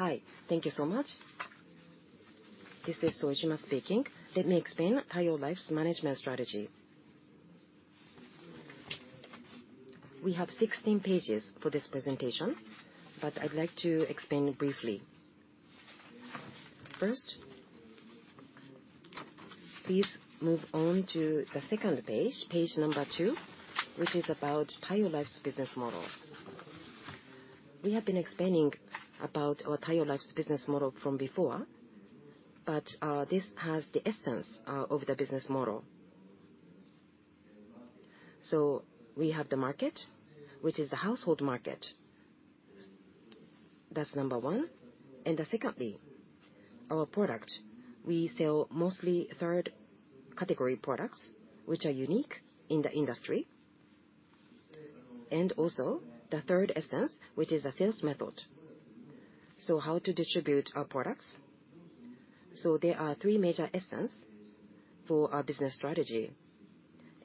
Hi, thank you so much. This is Soejima speaking. Let me explain Taiyo Life's management strategy. We have 16 pages for this presentation, but I'd like to explain briefly. First, please move on to the second page, page number two, which is about Taiyo Life's business model. We have been explaining about our Taiyo Life's business model from before, but this has the essence of the business model. So we have the market, which is the household market. That's number one. And secondly, our product, we sell mostly third sector products, which are unique in the industry, and also the third essence, which is a sales method. So how to distribute our products. So there are three major essence for our business strategy,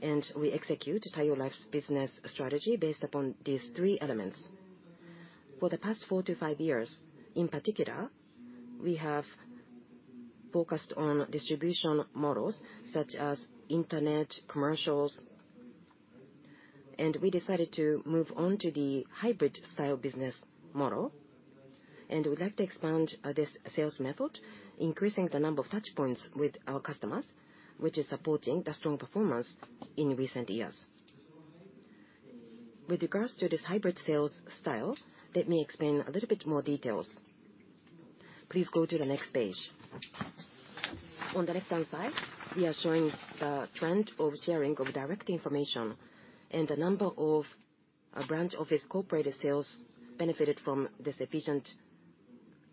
and we execute Taiyo Life's business strategy based upon these three elements. For the past four to five years, in particular, we have focused on distribution models such as internet, commercials, and we decided to move on to the hybrid style business model. We'd like to expand this sales method, increasing the number of touchpoints with our customers, which is supporting the strong performance in recent years. With regards to this hybrid sales style, let me explain a little bit more details. Please go to the next page. On the left-hand side, we are showing the trend of sharing of direct information and the number of branch office corporate sales benefited from this efficient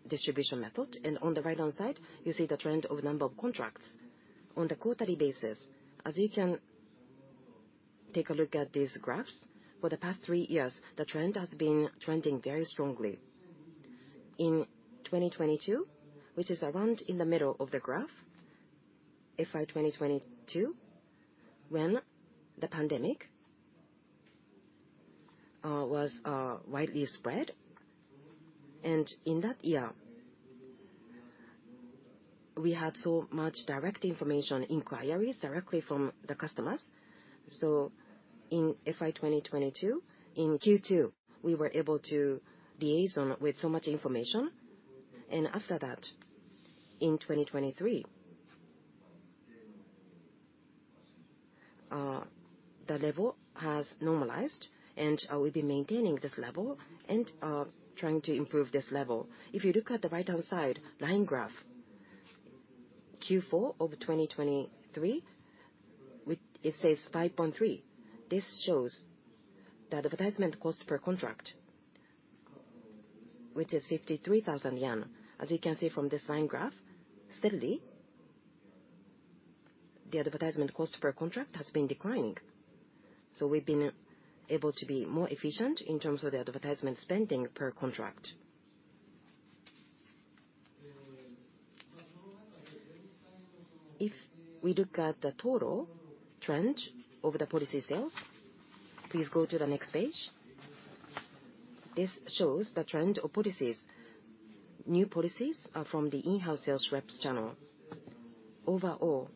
distribution method. On the right-hand side, you see the trend of number of contracts. On the quarterly basis, as you can take a look at these graphs, for the past three years, the trend has been trending very strongly. In 2022, which is around in the middle of the graph, FY 2022, when the pandemic was widely spread, and in that year, we had so much direct information inquiries directly from the customers. So in FY 2022, in Q2, we were able to liaison with so much information, and after that, in 2023, the level has normalized, and we'll be maintaining this level and trying to improve this level. If you look at the right-hand side line graph, Q4 of 2023, it says 5.3. This shows the advertisement cost per contract, which is 53,000 yen. As you can see from this line graph, steadily, the advertisement cost per contract has been declining. So we've been able to be more efficient in terms of the advertisement spending per contract. If we look at the total trend of the policy sales, please go to the next page. This shows the trend of policies. New policies are from the in-house sales reps channel. Overall,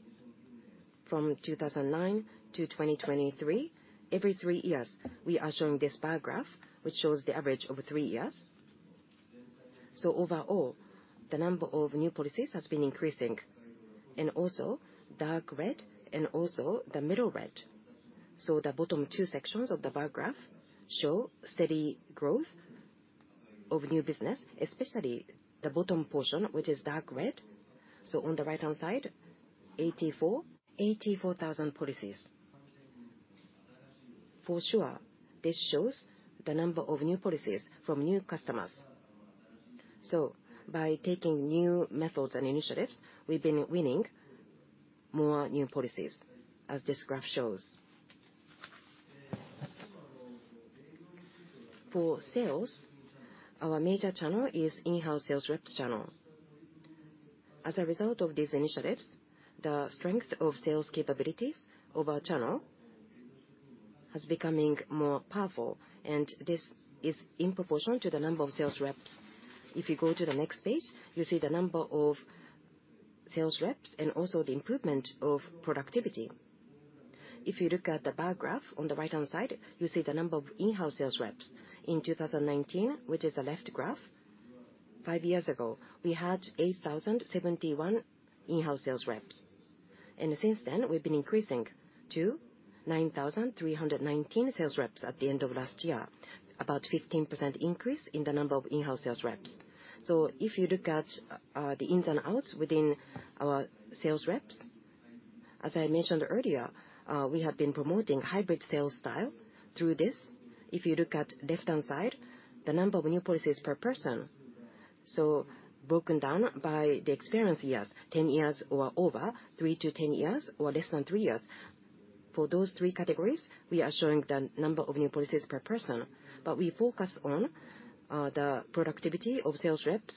from 2009 to 2023, every three years, we are showing this bar graph, which shows the average over three years. So overall, the number of new policies has been increasing, and also dark red, and also the middle red. So the bottom two sections of the bar graph show steady growth of new business, especially the bottom portion, which is dark red. So on the right-hand side, 84,000 policies. For sure, this shows the number of new policies from new customers. So by taking new methods and initiatives, we've been winning more new policies, as this graph shows. For sales, our major channel is in-house sales reps channel. As a result of these initiatives, the strength of sales capabilities of our channel has becoming more powerful, and this is in proportion to the number of sales reps. If you go to the next page, you see the number of sales reps and also the improvement of productivity. If you look at the bar graph on the right-hand side, you see the number of in-house sales reps. In 2019, which is the left graph, five years ago, we had 8,071 in-house sales reps, and since then, we've been increasing to 9,319 sales reps at the end of last year. About 15% increase in the number of in-house sales reps. So if you look at the ins and outs within our sales reps, as I mentioned earlier, we have been promoting hybrid sales style through this. If you look at left-hand side, the number of new policies per person, so broken down by the experience years, 10 years or over, 3-10 years, or less than 3 years. For those 3 categories, we are showing the number of new policies per person, but we focus on the productivity of sales reps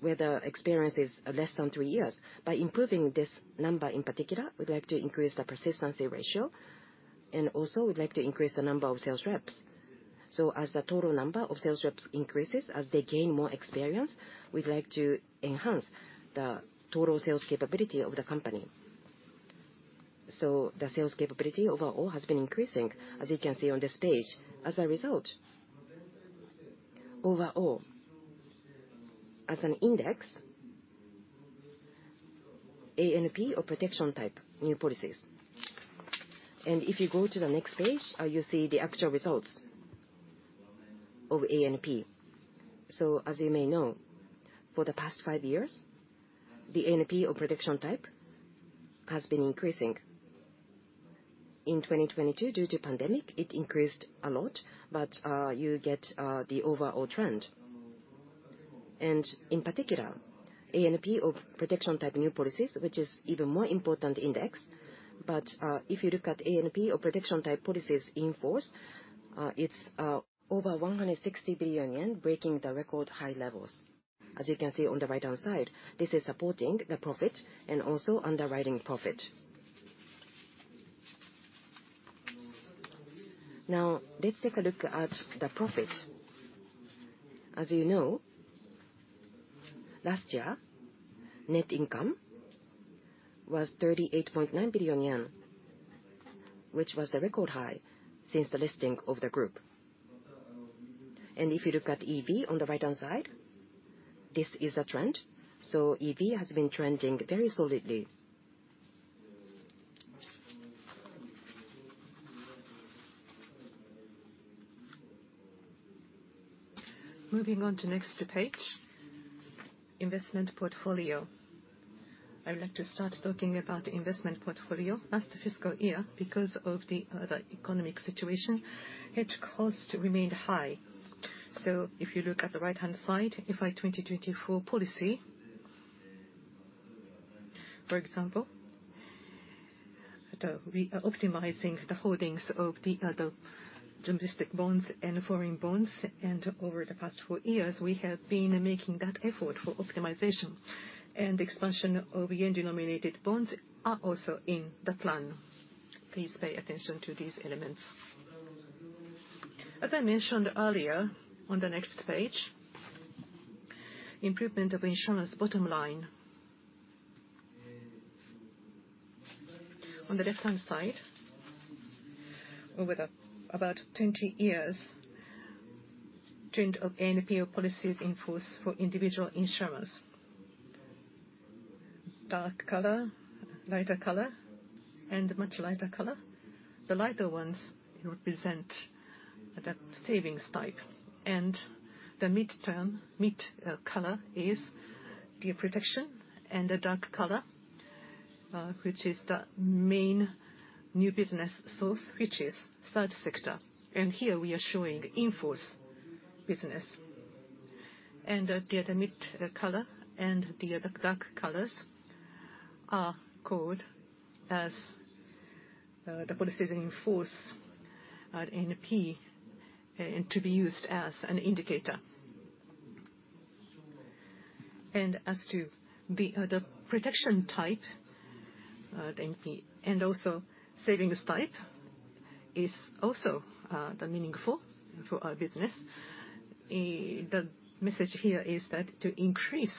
where the experience is less than 3 years. By improving this number in particular, we'd like to increase the persistency ratio, and also we'd like to increase the number of sales reps. So as the total number of sales reps increases, as they gain more experience, we'd like to enhance the total sales capability of the company. So the sales capability overall has been increasing, as you can see on this page. As a result, overall, as an index, A&P or protection-type new policies. If you go to the next page, you see the actual results of A&P. So as you may know, for the past five years, the A&P or protection type has been increasing. In 2022, due to pandemic, it increased a lot, but you get the overall trend. And in particular, A&P of protection-type new policies, which is even more important index, but if you look at A&P or protection-type policies in force, it's over 160 billion yen, breaking the record high levels. As you can see on the right-hand side, this is supporting the profit and also underwriting profit. Now, let's take a look at the profit. As you know, last year, net income was 38.9 billion yen, which was the record high since the listing of the group. If you look at EV on the right-hand side, this is a trend. EV has been trending very solidly. Moving on to next page, investment portfolio. I would like to start talking about investment portfolio. Last fiscal year, because of the economic situation, hedge costs remained high. So if you look at the right-hand side, FY 2024 policy, for example, we are optimizing the holdings of the domestic bonds and foreign bonds, and over the past 4 years, we have been making that effort for optimization. And expansion of yen-denominated bonds are also in the plan. Please pay attention to these elements. As I mentioned earlier, on the next page, improvement of insurance bottom line. On the left-hand side, over the about 20 years, trend of A&P policies in force for individual insurance. Dark color, lighter color, and much lighter color. The lighter ones represent the savings type, and the mid color is the protection, and the dark color, which is the main new business source, which is third sector. Here we are showing the in-force business. The other mid color and the other dark colors are called as the policies in force, A&P, and to be used as an indicator. As to the protection type, the A&P, and also savings type, is also meaningful for our business. The message here is that to increase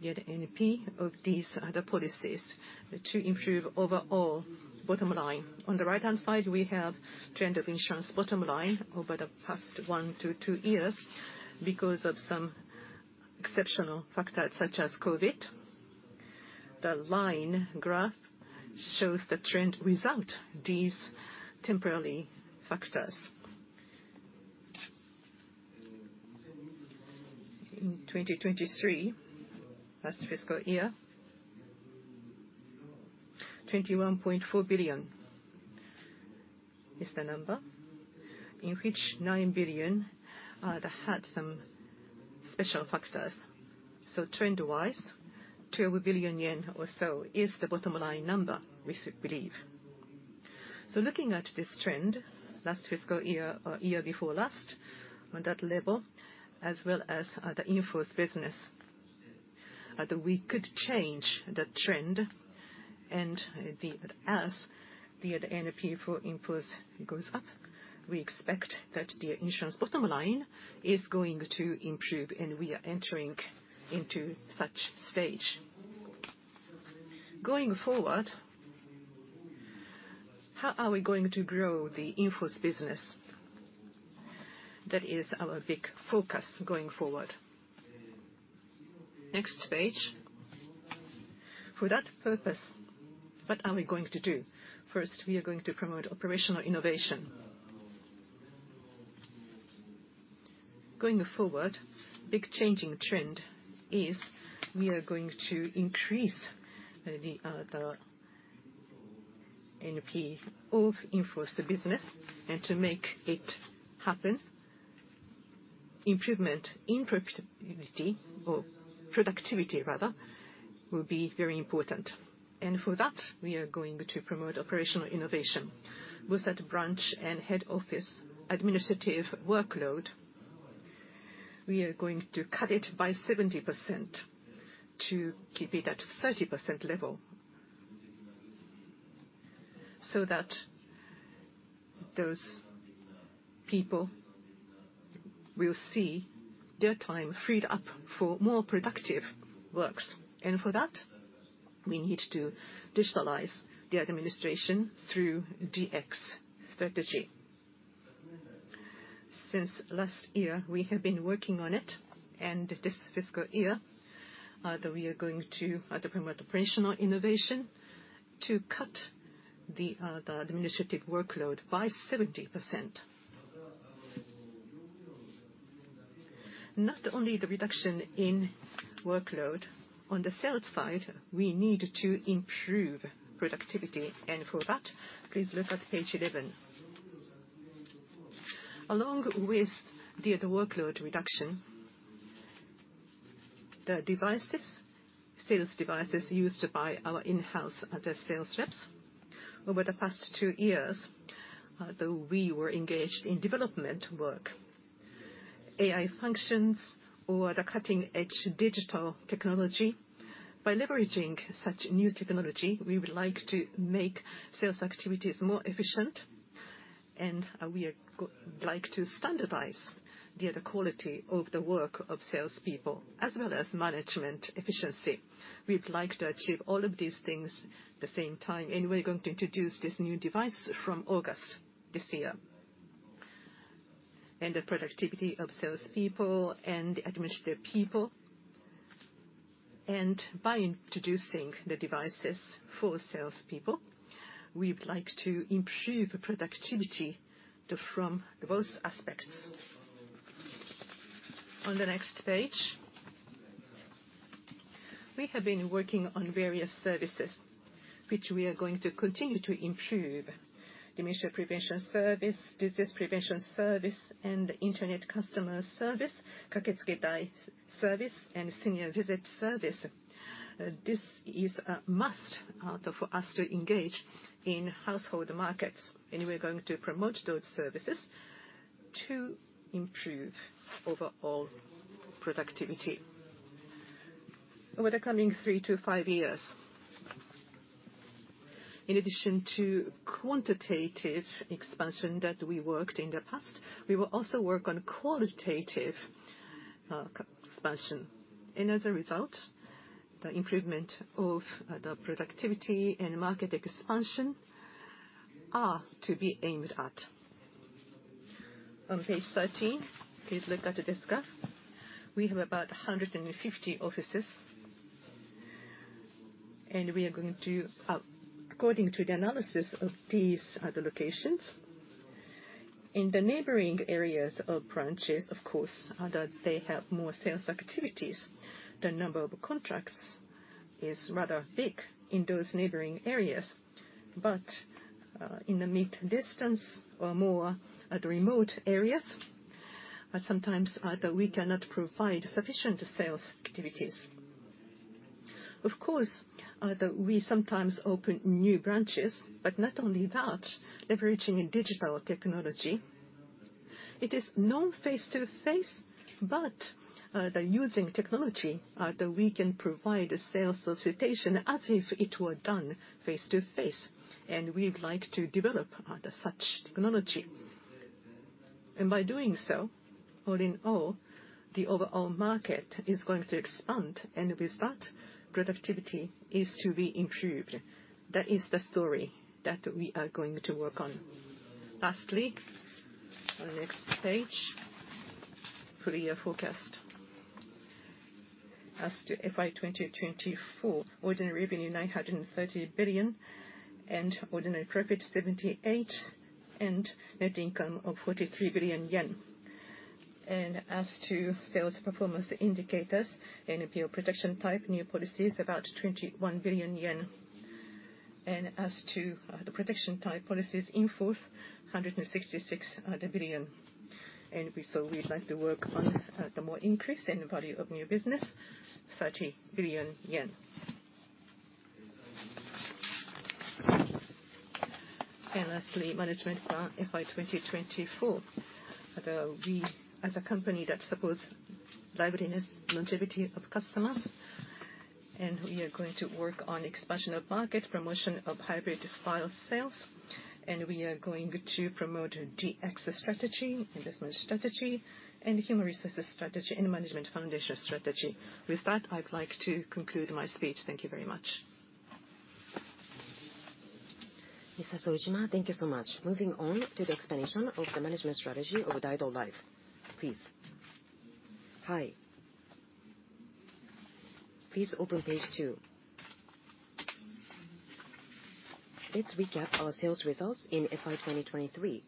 the A&P of these other policies to improve overall bottom line. On the right-hand side, we have trend of insurance bottom line over the past 1-2 years because of some exceptional factors such as COVID. The line graph shows the trend without these temporary factors. In 2023, last fiscal year, 21.4 billion is the number, in which 9 billion that had some special factors. So trend-wise, 12 billion yen or so is the bottom line number, we believe. So looking at this trend, last fiscal year, or year before last, on that level, as well as the in-force business, we could change the trend, and as the A&P for in-force goes up, we expect that the insurance bottom line is going to improve, and we are entering into such stage. Going forward, how are we going to grow the in-force business? That is our big focus going forward. Next page. For that purpose, what are we going to do? First, we are going to promote operational innovation. Going forward, big changing trend is we are going to increase the A&P of in-force business. To make it happen, improvement in profitability, or productivity rather-... will be very important. For that, we are going to promote operational innovation. With that branch and head office administrative workload, we are going to cut it by 70% to keep it at 30% level, so that those people will see their time freed up for more productive works. For that, we need to digitalize the administration through DX strategy. Since last year, we have been working on it, and this fiscal year, that we are going to promote operational innovation to cut the administrative workload by 70%. Not only the reduction in workload, on the sales side, we need to improve productivity, and for that, please look at page 11. Along with the workload reduction, the sales devices used by our in-house sales reps, over the past two years, though we were engaged in development work, AI functions or the cutting-edge digital technology, by leveraging such new technology, we would like to make sales activities more efficient, and we would like to standardize the quality of the work of salespeople, as well as management efficiency. We'd like to achieve all of these things the same time, and we're going to introduce this new device from August this year. The productivity of salespeople and administrative people, and by introducing the devices for salespeople, we would like to improve productivity from both aspects. On the next page, we have been working on various services, which we are going to continue to improve: dementia prevention service, disease prevention service, and internet customer service, Kaketsuketai service, and senior visit service. This is a must for us to engage in household markets, and we're going to promote those services to improve overall productivity. Over the coming 3-5 years, in addition to quantitative expansion that we worked in the past, we will also work on qualitative expansion. And as a result, the improvement of the productivity and market expansion are to be aimed at. On page 13, please look at this graph. We have about 150 offices, and we are going to according to the analysis of these the locations, in the neighboring areas of branches, of course, they have more sales activities. The number of contracts is rather big in those neighboring areas, but, in the mid-distance or more, at remote areas, sometimes, we cannot provide sufficient sales activities. Of course, we sometimes open new branches, but not only that, leveraging a digital technology, it is non-face-to-face, but, the using technology, we can provide a sales solicitation as if it were done face-to-face, and we'd like to develop, such technology. And by doing so, all in all, the overall market is going to expand, and with that, productivity is to be improved. That is the story that we are going to work on. Lastly, on the next page, full year forecast. As to FY 2024, ordinary revenue, 930 billion, and ordinary profit, 78 billion, and net income of 43 billion yen. And as to sales performance indicators, NPO protection type new policies, about 21 billion yen. And as to the protection type policies in force, 166 billion. And we, so we'd like to work on the more increase in value of new business, 30 billion yen. And lastly, management summary FY 2024. We, as a company that supports liveliness, longevity of customers, and we are going to work on expansion of market, promotion of hybrid-style sales, and we are going to promote a DX strategy, investment strategy, and human resources strategy, and management foundation strategy. With that, I'd like to conclude my speech. Thank you very much. Mr. Soejima, thank you so much. Moving on to the explanation of the management strategy of Daido Life, please. Hi. Please open page two. Let's recap our sales results in FY 2023.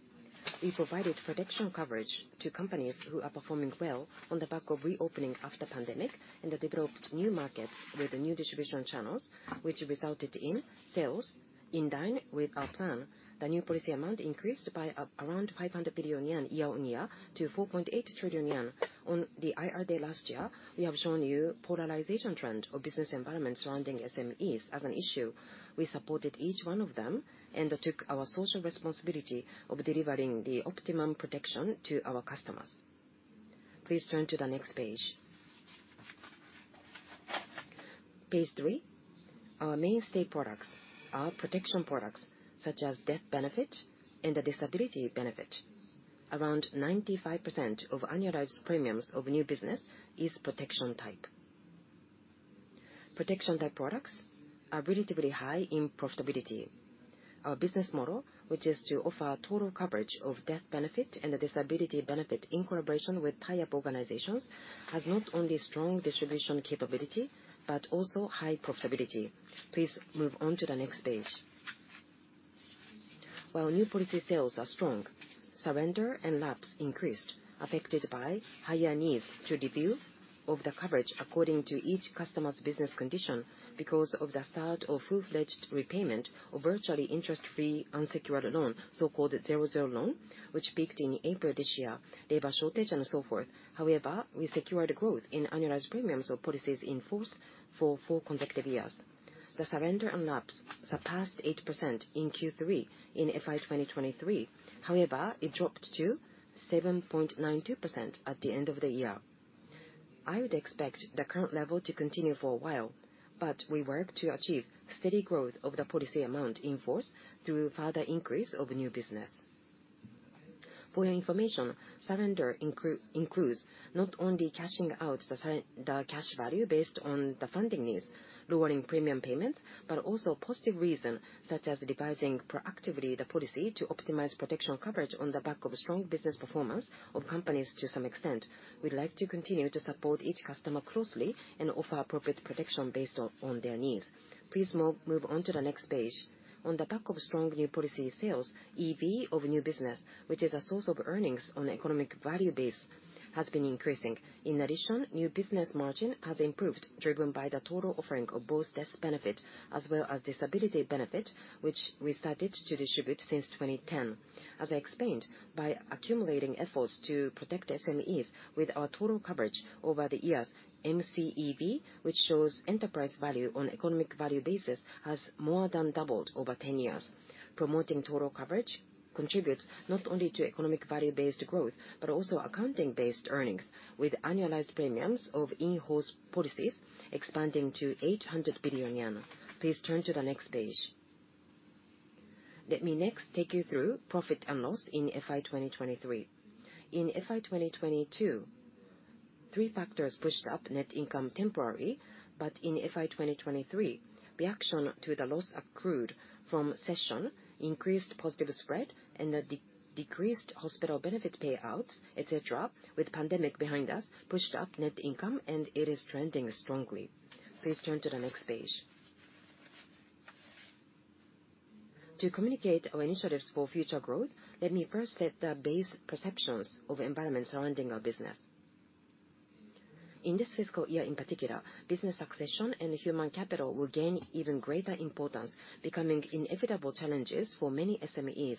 We provided protection coverage to companies who are performing well on the back of reopening after pandemic, and they developed new markets with the new distribution channels, which resulted in sales in line with our plan. The new policy amount increased by around 500 billion yen year-on-year to 4.8 trillion yen. On the IR day last year, we have shown you polarization trend of business environment surrounding SMEs as an issue. We supported each one of them and took our social responsibility of delivering the optimum protection to our customers. Please turn to the next page. Page three. Our mainstay products are protection products such as death benefit and the disability benefit. Around 95% of annualized premiums of new business is protection type. Protection type products are relatively high in profitability. Our business model, which is to offer total coverage of death benefit and the disability benefit in collaboration with tie-up organizations, has not only strong distribution capability, but also high profitability. Please move on to the next page. While new policy sales are strong, surrender and lapse increased, affected by higher needs to review of the coverage according to each customer's business condition because of the start of full-fledged repayment of virtually interest-free unsecured loan, so-called Zero-Zero Loan, which peaked in April this year, labor shortage, and so forth. However, we secured growth in annualized premiums of policies in force for four consecutive years. The surrender and lapse surpassed 8% in Q3 in FY 2023, however, it dropped to 7.92% at the end of the year. I would expect the current level to continue for a while, but we work to achieve steady growth of the policy amount in force through further increase of new business. For your information, surrender includes not only cashing out the cash value based on the funding needs, lowering premium payments, but also positive reason, such as revising proactively the policy to optimize protection coverage on the back of strong business performance of companies to some extent. We'd like to continue to support each customer closely and offer appropriate protection based on, on their needs. Please move on to the next page. On the back of strong new policy sales, EV of new business, which is a source of earnings on economic value base, has been increasing. In addition, new business margin has improved, driven by the total offering of both death benefit as well as disability benefit, which we started to distribute since 2010. As I explained, by accumulating efforts to protect SMEs with our total coverage over the years, MCEV, which shows enterprise value on economic value basis, has more than doubled over 10 years. Promoting total coverage contributes not only to economic value-based growth, but also accounting-based earnings, with annualized premiums of in-house policies expanding to 800 billion yen. Please turn to the next page. Let me next take you through profit and loss in FY 2023. In FY 2022, three factors pushed up net income temporarily, but in FY 2023, reaction to the loss accrued from cession, increased positive spread, and the decreased hospital benefit payouts, et cetera, with pandemic behind us, pushed up net income, and it is trending strongly. Please turn to the next page. To communicate our initiatives for future growth, let me first set the base perceptions of environment surrounding our business. In this fiscal year in particular, business succession and human capital will gain even greater importance, becoming inevitable challenges for many SMEs.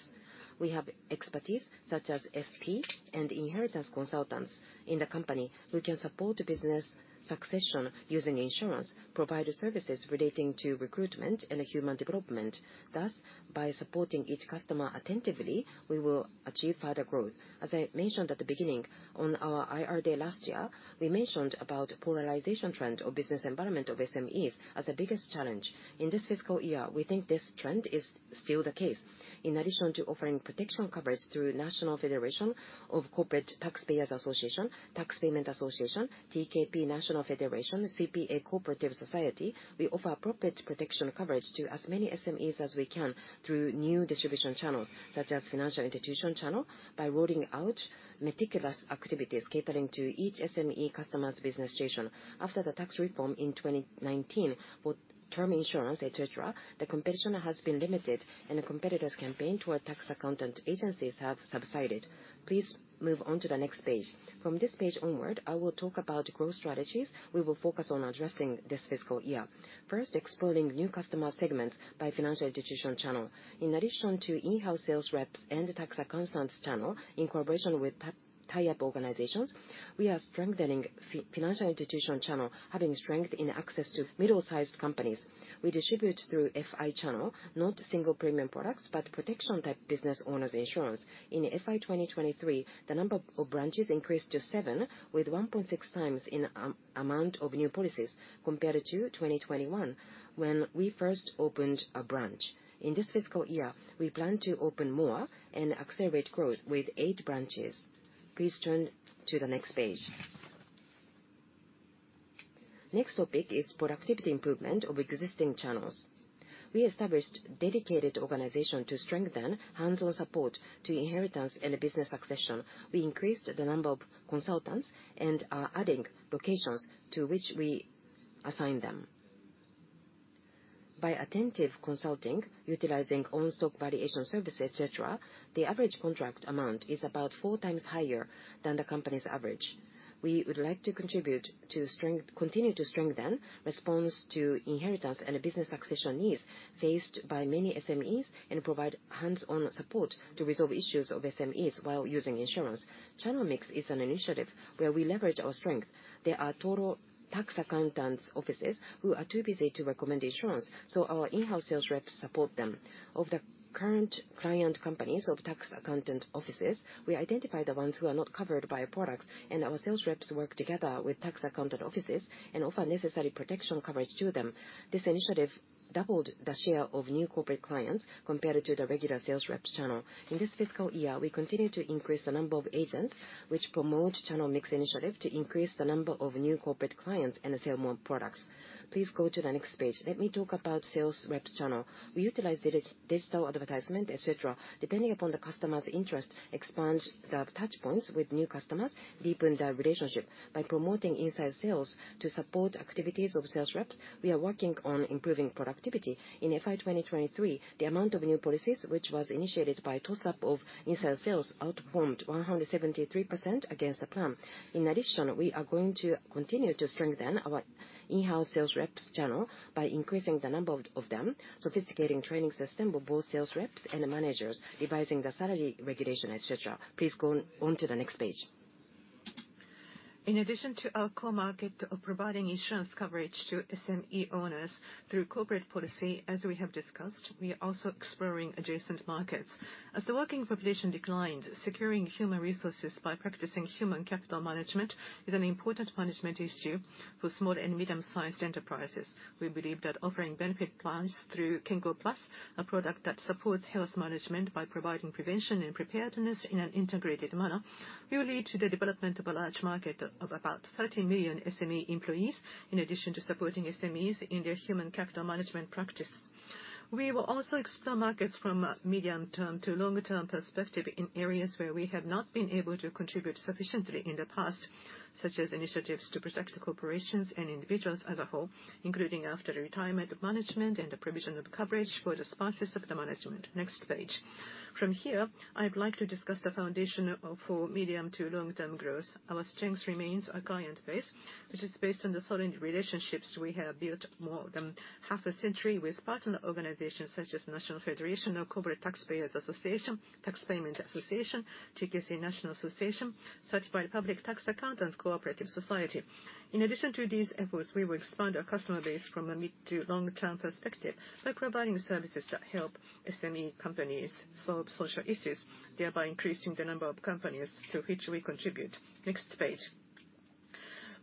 We have expertise such as FP and inheritance consultants in the company who can support business succession using insurance, provide services relating to recruitment and human development. Thus, by supporting each customer attentively, we will achieve further growth. As I mentioned at the beginning, on our IR day last year, we mentioned about polarization trend of business environment of SMEs as the biggest challenge. In this fiscal year, we think this trend is still the case. In addition to offering protection coverage through National Federation of Corporate Taxpayers Associations, Tax Payment Associations, TKP National Federation, CPA Co-operative Society, we offer appropriate protection coverage to as many SMEs as we can through new distribution channels, such as financial institution channel, by rolling out meticulous activities catering to each SME customer's business situation. After the tax reform in 2019, with term insurance, et cetera, the competition has been limited, and the competitors' campaign toward tax accountant agencies have subsided. Please move on to the next page. From this page onward, I will talk about growth strategies we will focus on addressing this fiscal year. First, exploring new customer segments by financial institution channel. In addition to in-house sales reps and the tax accountant channel, in collaboration with tie-up organizations, we are strengthening financial institution channel, having strength in access to middle-sized companies. We distribute through FI channel, not single premium products, but protection-type business owner's insurance. In FY 2023, the number of branches increased to seven, with 1.6 times in amount of new policies compared to 2021, when we first opened a branch. In this fiscal year, we plan to open more and accelerate growth with eight branches. Please turn to the next page. Next topic is productivity improvement of existing channels. We established dedicated organization to strengthen hands-on support to inheritance and business succession. We increased the number of consultants and are adding locations to which we assign them.... By attentive consulting, utilizing own stock valuation services, et cetera, the average contract amount is about four times higher than the company's average. We would like to contribute to strength, continue to strengthen response to inheritance and business succession needs faced by many SMEs, and provide hands-on support to resolve issues of SMEs while using insurance. Channel mix is an initiative where we leverage our strength. There are total tax accountants offices who are too busy to recommend insurance, so our in-house sales reps support them. Of the current client companies of tax accountant offices, we identify the ones who are not covered by our products, and our sales reps work together with tax accountant offices and offer necessary protection coverage to them. This initiative doubled the share of new corporate clients compared to the regular sales reps channel. In this fiscal year, we continue to increase the number of agents, which promote channel mix initiative to increase the number of new corporate clients and sell more products. Please go to the next page. Let me talk about sales reps channel. We utilize digital advertisement, et cetera, depending upon the customer's interest, expand the touchpoints with new customers, deepen the relationship. By promoting inside sales to support activities of sales reps, we are working on improving productivity. In FY 2023, the amount of new policies, which was initiated by toss-up of inside sales, outperformed 173% against the plan. In addition, we are going to continue to strengthen our in-house sales reps channel by increasing the number of them, sophisticating training system of both sales reps and managers, revising the salary regulation, et cetera. Please go on to the next page. In addition to our core market of providing insurance coverage to SME owners through corporate policy, as we have discussed, we are also exploring adjacent markets. As the working population declined, securing human resources by practicing human capital management is an important management issue for small and medium-sized enterprises. We believe that offering benefit plans through KENKO Plus, a product that supports health management by providing prevention and preparedness in an integrated manner, will lead to the development of a large market of about 30 million SME employees, in addition to supporting SMEs in their human capital management practice. We will also explore markets from a medium-term to longer-term perspective in areas where we have not been able to contribute sufficiently in the past, such as initiatives to protect the corporations and individuals as a whole, including after the retirement of management and the provision of coverage for the spouses of the management. Next page. From here, I'd like to discuss the foundation of for medium to long-term growth. Our strength remains our client base, which is based on the solid relationships we have built more than half a century with partner organizations such as National Federation of Corporate Taxpayers Associations, Tax Payment Associations, TKC National Federation, Certified Public Tax Accountants Co-operative Society. In addition to these efforts, we will expand our customer base from a mid to long-term perspective by providing services that help SME companies solve social issues, thereby increasing the number of companies to which we contribute. Next page.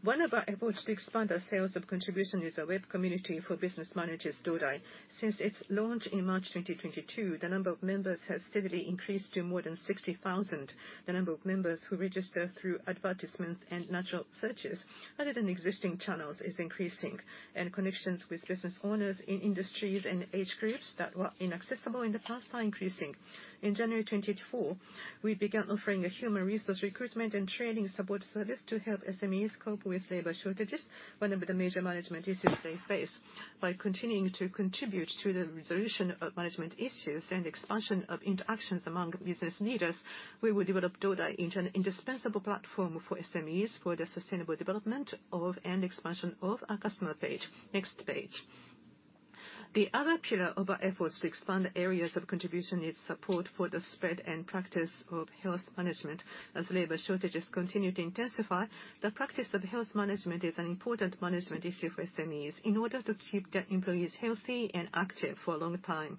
One of our efforts to expand our sales of contribution is a web community for business managers, Do-DAI. Since its launch in March 2022, the number of members has steadily increased to more than 60,000. The number of members who register through advertisements and natural searches other than existing channels is increasing, and connections with business owners in industries and age groups that were inaccessible in the past are increasing. In January 2024, we began offering a human resource recruitment and training support service to help SMEs cope with labor shortages, one of the major management issues they face. By continuing to contribute to the resolution of management issues and expansion of interactions among business leaders, we will develop Do-DAI into an indispensable platform for SMEs for the sustainable development of, and expansion of our customer base. Next page. The other pillar of our efforts to expand the areas of contribution is support for the spread and practice of health management. As labor shortages continue to intensify, the practice of health management is an important management issue for SMEs in order to keep their employees healthy and active for a long time.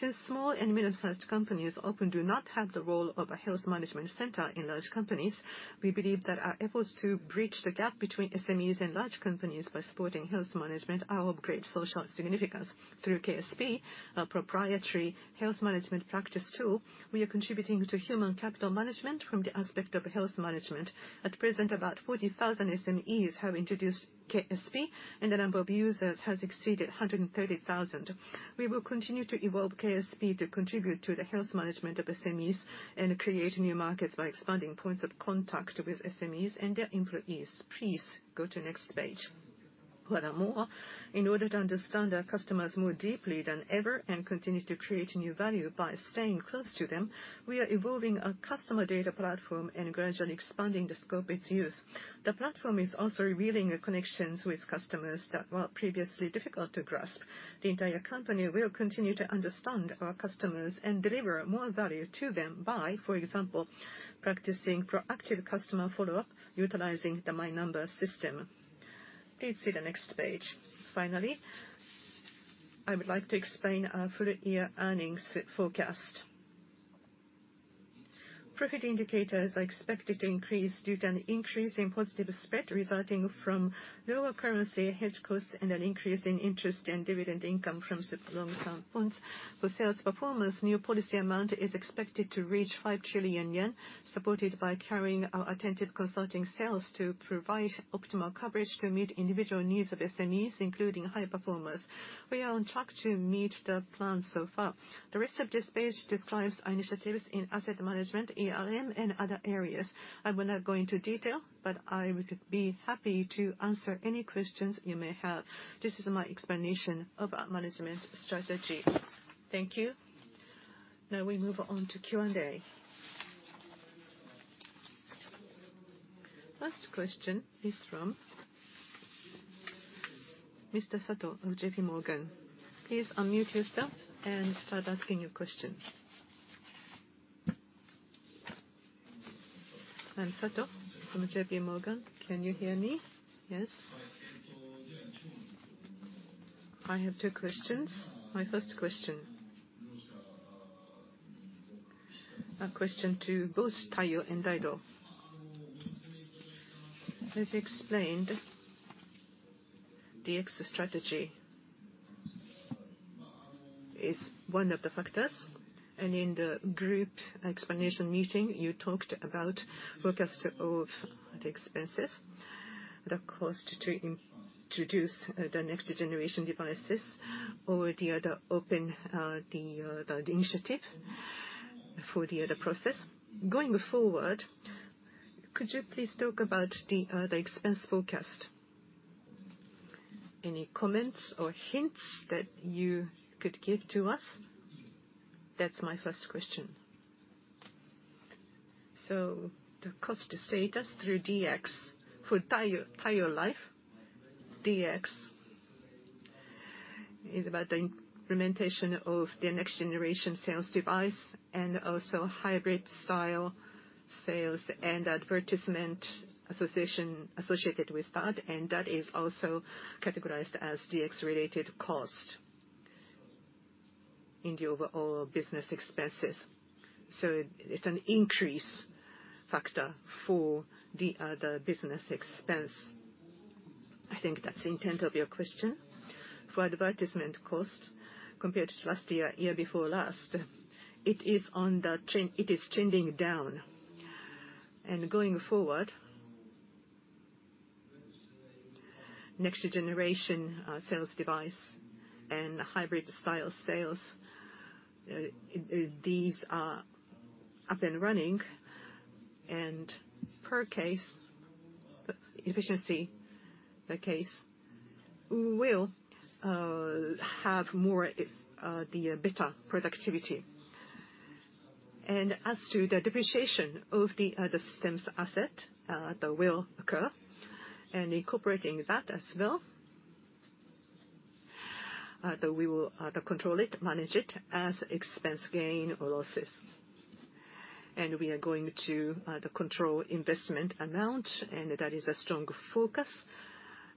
Since small and medium-sized companies often do not have the role of a health management center in large companies, we believe that our efforts to bridge the gap between SMEs and large companies by supporting health management are of great social significance. Through KSP, a proprietary health management practice tool, we are contributing to human capital management from the aspect of health management. At present, about 40,000 SMEs have introduced KSP, and the number of users has exceeded 130,000. We will continue to evolve KSP to contribute to the health management of SMEs and create new markets by expanding points of contact with SMEs and their employees. Please go to next page. Furthermore, in order to understand our customers more deeply than ever and continue to create new value by staying close to them, we are evolving our customer data platform and gradually expanding the scope its use. The platform is also revealing connections with customers that were previously difficult to grasp. The entire company will continue to understand our customers and deliver more value to them by, for example, practicing proactive customer follow-up, utilizing the My Number System. Please see the next page. Finally, I would like to explain our full year earnings forecast. Profit indicators are expected to increase due to an increase in positive spread resulting from lower currency hedge costs and an increase in interest and dividend income from super long-term bonds. For sales performance, new policy amount is expected to reach 5 trillion yen, supported by carrying our attentive consulting sales to provide optimal coverage to meet individual needs of SMEs, including high performers. We are on track to meet the plan so far. The rest of this page describes our initiatives in asset management, ERM, and other areas. I will not go into detail, but I would be happy to answer any questions you may have. This is my explanation of our management strategy. Thank you. Now we move on to Q&A. First question is from Mr. Sato of JPMorgan. Please unmute yourself and start asking your question. I'm Sato from JPMorgan. Can you hear me? Yes. I have two questions. My first question, a question to both Taiyo and Daido. As explained, the exit strategy is one of the factors, and in the group explanation meeting, you talked about forecast of the expenses, the cost to introduce the next-generation devices or the other open the initiative for the other process. Going forward, could you please talk about the expense forecast? Any comments or hints that you could give to us? That's my first question. So the cost status through DX for Taiyo, Taiyo Life DX is about the implementation of the next-generation sales device and also hybrid style sales and advertisement association associated with that, and that is also categorized as DX-related cost in the overall business expenses. So it's an increase factor for the business expense. I think that's the intent of your question. For advertisement cost compared to last year, year before last, it is trending down. Going forward, next generation sales device and hybrid style sales, these are up and running, and per case efficiency, the case will have more the better productivity. As to the depreciation of the systems asset, that will occur, and incorporating that as well, that we will control it, manage it as expense gain or losses. We are going to the control investment amount, and that is a strong focus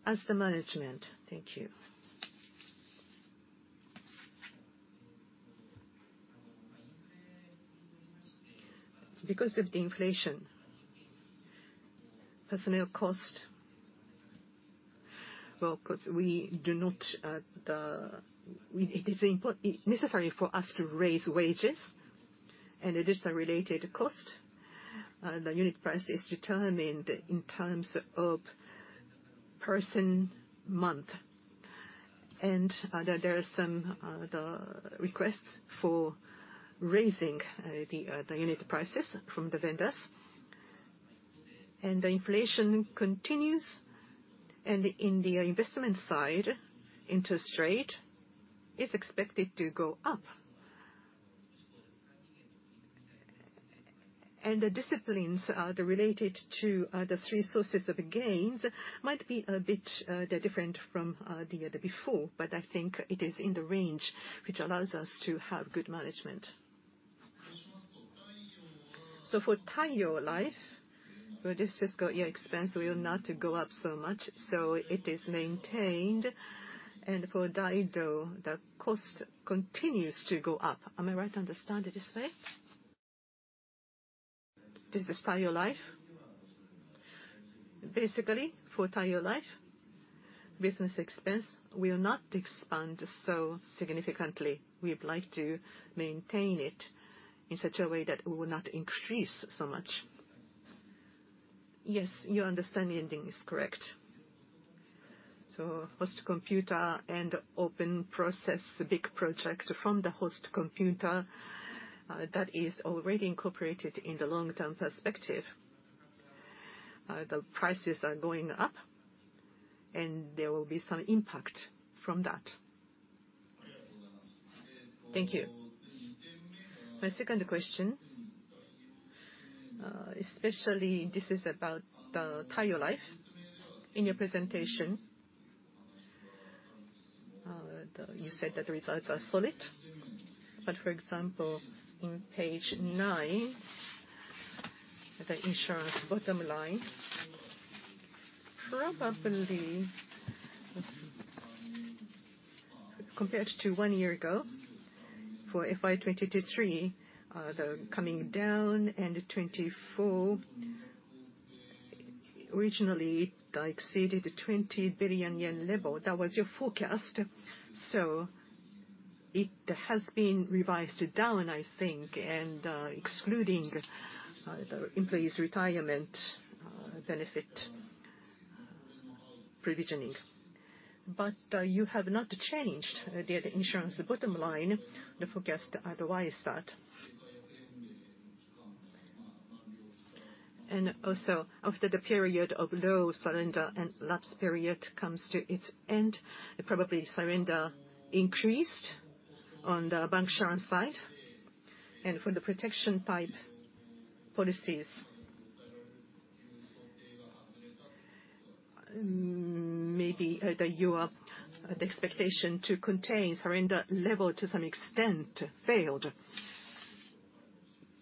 as the management. Thank you. Because of the inflation, personnel cost, well, because we do not. It is important and necessary for us to raise wages and additional related cost. The unit price is determined in terms of person month, and there are some requests for raising the unit prices from the vendors. And the inflation continues, and in the investment side, interest rate is expected to go up. And the discipline related to the three sources of gains might be a bit different from before, but I think it is in the range, which allows us to have good management. So for Taiyo Life, where this fiscal year expense will not go up so much, so it is maintained. And for Daido, the cost continues to go up. Am I right to understand it this way? This is Taiyo Life. Basically, for Taiyo Life, business expense will not expand so significantly. We would like to maintain it in such a way that we will not increase so much. Yes, your understanding is correct. So host computer and open process, the big project from the host computer, that is already incorporated in the long-term perspective. The prices are going up, and there will be some impact from that. Thank you. My second question, especially this is about the Taiyo Life. In your prcesentation, you said that the results are solid, but for example, on page nine, the insurance bottom line, probably compared to one year ago, for FY 2023, the coming down and 2024, originally, it exceeded the 20 billion yen level. That was your forecast. So it has been revised down, I think, and, excluding the employees' retirement benefit provisioning. But you have not changed the insurance bottom line, the forecast otherwise that.... And also, after the period of low surrender and lapse period comes to its end, probably surrender increased on the bancassurance side. And for the protection type policies, maybe your expectation to contain surrender level to some extent failed.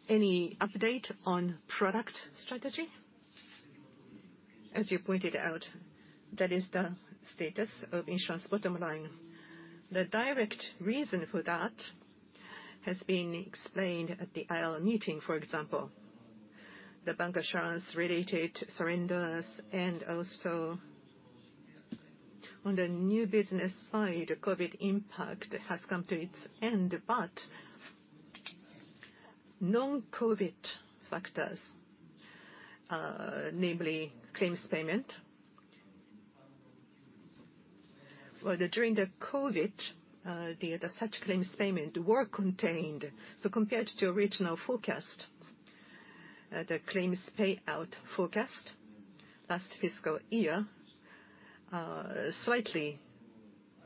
Any update on product strategy? As you pointed out, that is the status of insurance bottom line. The direct reason for that has been explained at the IR meeting, for example. The bancassurance-related surrenders and also on the new business side, COVID impact has come to its end. But non-COVID factors, namely claims payment, during the COVID, such claims payment were contained. So compared to original forecast, the claims payout forecast last fiscal year, slightly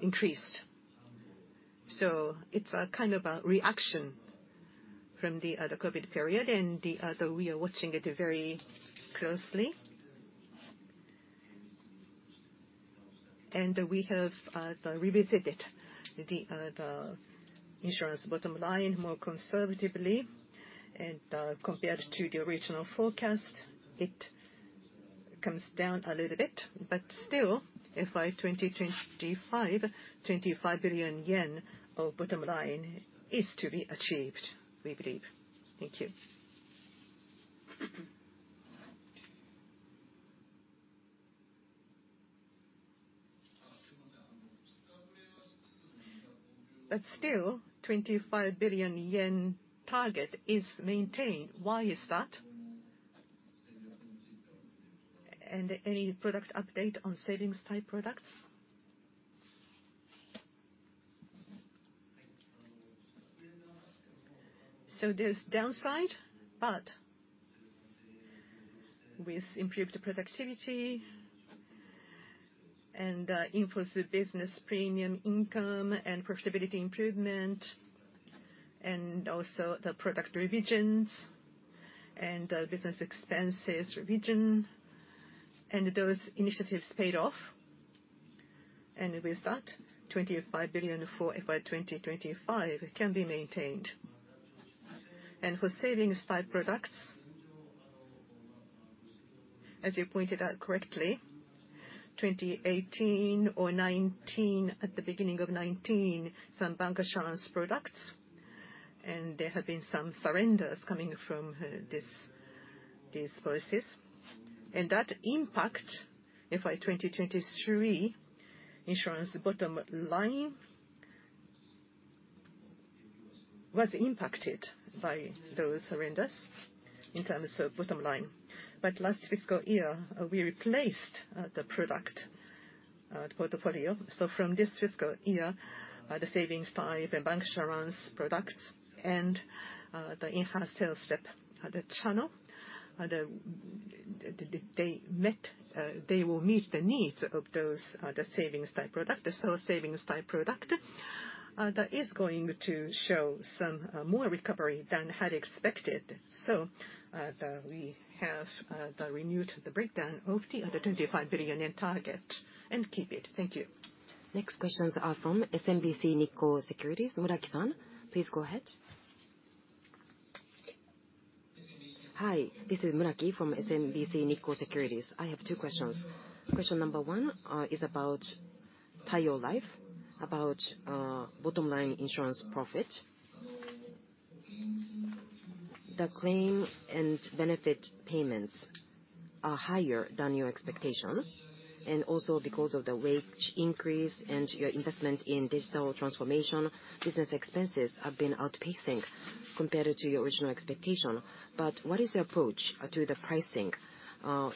increased. So it's a kind of a reaction from the COVID period, and we are watching it very closely. And we have revisited the insurance bottom line more conservatively. And, compared to the original forecast, it comes down a little bit. But still, FY 2025, 25 billion yen of bottom line is to be achieved, we believe. Thank you. But still, 25 billion yen target is maintained. Why is that? And any product update on savings-type products? So there's downside, but with improved productivity and in-force business premium income and profitability improvement, and also the product revisions and business expenses revision, and those initiatives paid off. And with that, 25 billion for FY 2025 can be maintained. And for savings-type products, as you pointed out correctly, 2018 or 2019, at the beginning of 2019, some bancassurance products, and there have been some surrenders coming from this, these policies. And that impact FY 2023 insurance bottom line was impacted by those surrenders in terms of bottom line. But last fiscal year, we replaced the product portfolio. So from this fiscal year, the savings-type and bancassurance products and the in-house sales, the channel, they will meet the needs of those, the savings-type product. So savings-type product that is going to show some more recovery than had expected. So, the, we have, the renewed the breakdown of the other 25 billion target and keep it. Thank you. Next questions are from SMBC Nikko Securities, Muraki-san. Please go ahead. Hi, this is Muraki from SMBC Nikko Securities. I have two questions. Question number one is about Taiyo Life, about bottom line insurance profit. The claim and benefit payments are higher than your expectation, and also because of the wage increase and your investment in digital transformation, business expenses have been outpacing compared to your original expectation. But what is your approach to the pricing?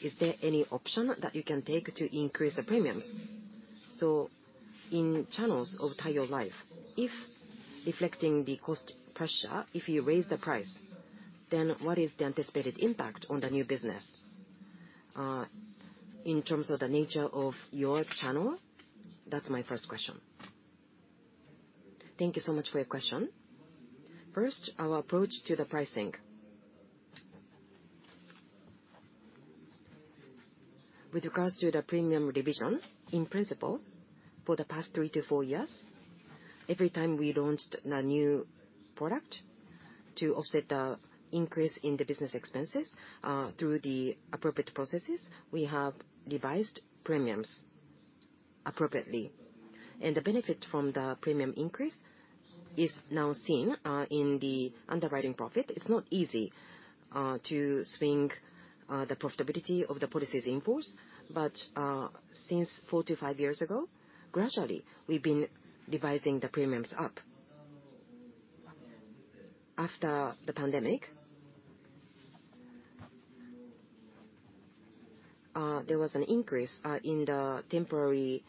Is there any option that you can take to increase the premiums? So in channels of Taiyo Life, if reflecting the cost pressure, if you raise the price, then what is the anticipated impact on the new business in terms of the nature of your channel? That's my first question. Thank you so much for your question. First, our approach to the pricing. With regards to the premium revision, in principle, for the past three to four years, every time we launched a new product to offset the increase in the business expenses, through the appropriate processes, we have revised premiums appropriately. The benefit from the premium increase is now seen in the underwriting profit. It's not easy to swing the profitability of the policies in force, but since four to five years ago, gradually, we've been revising the premiums up. After the pandemic...... there was an increase in the temporary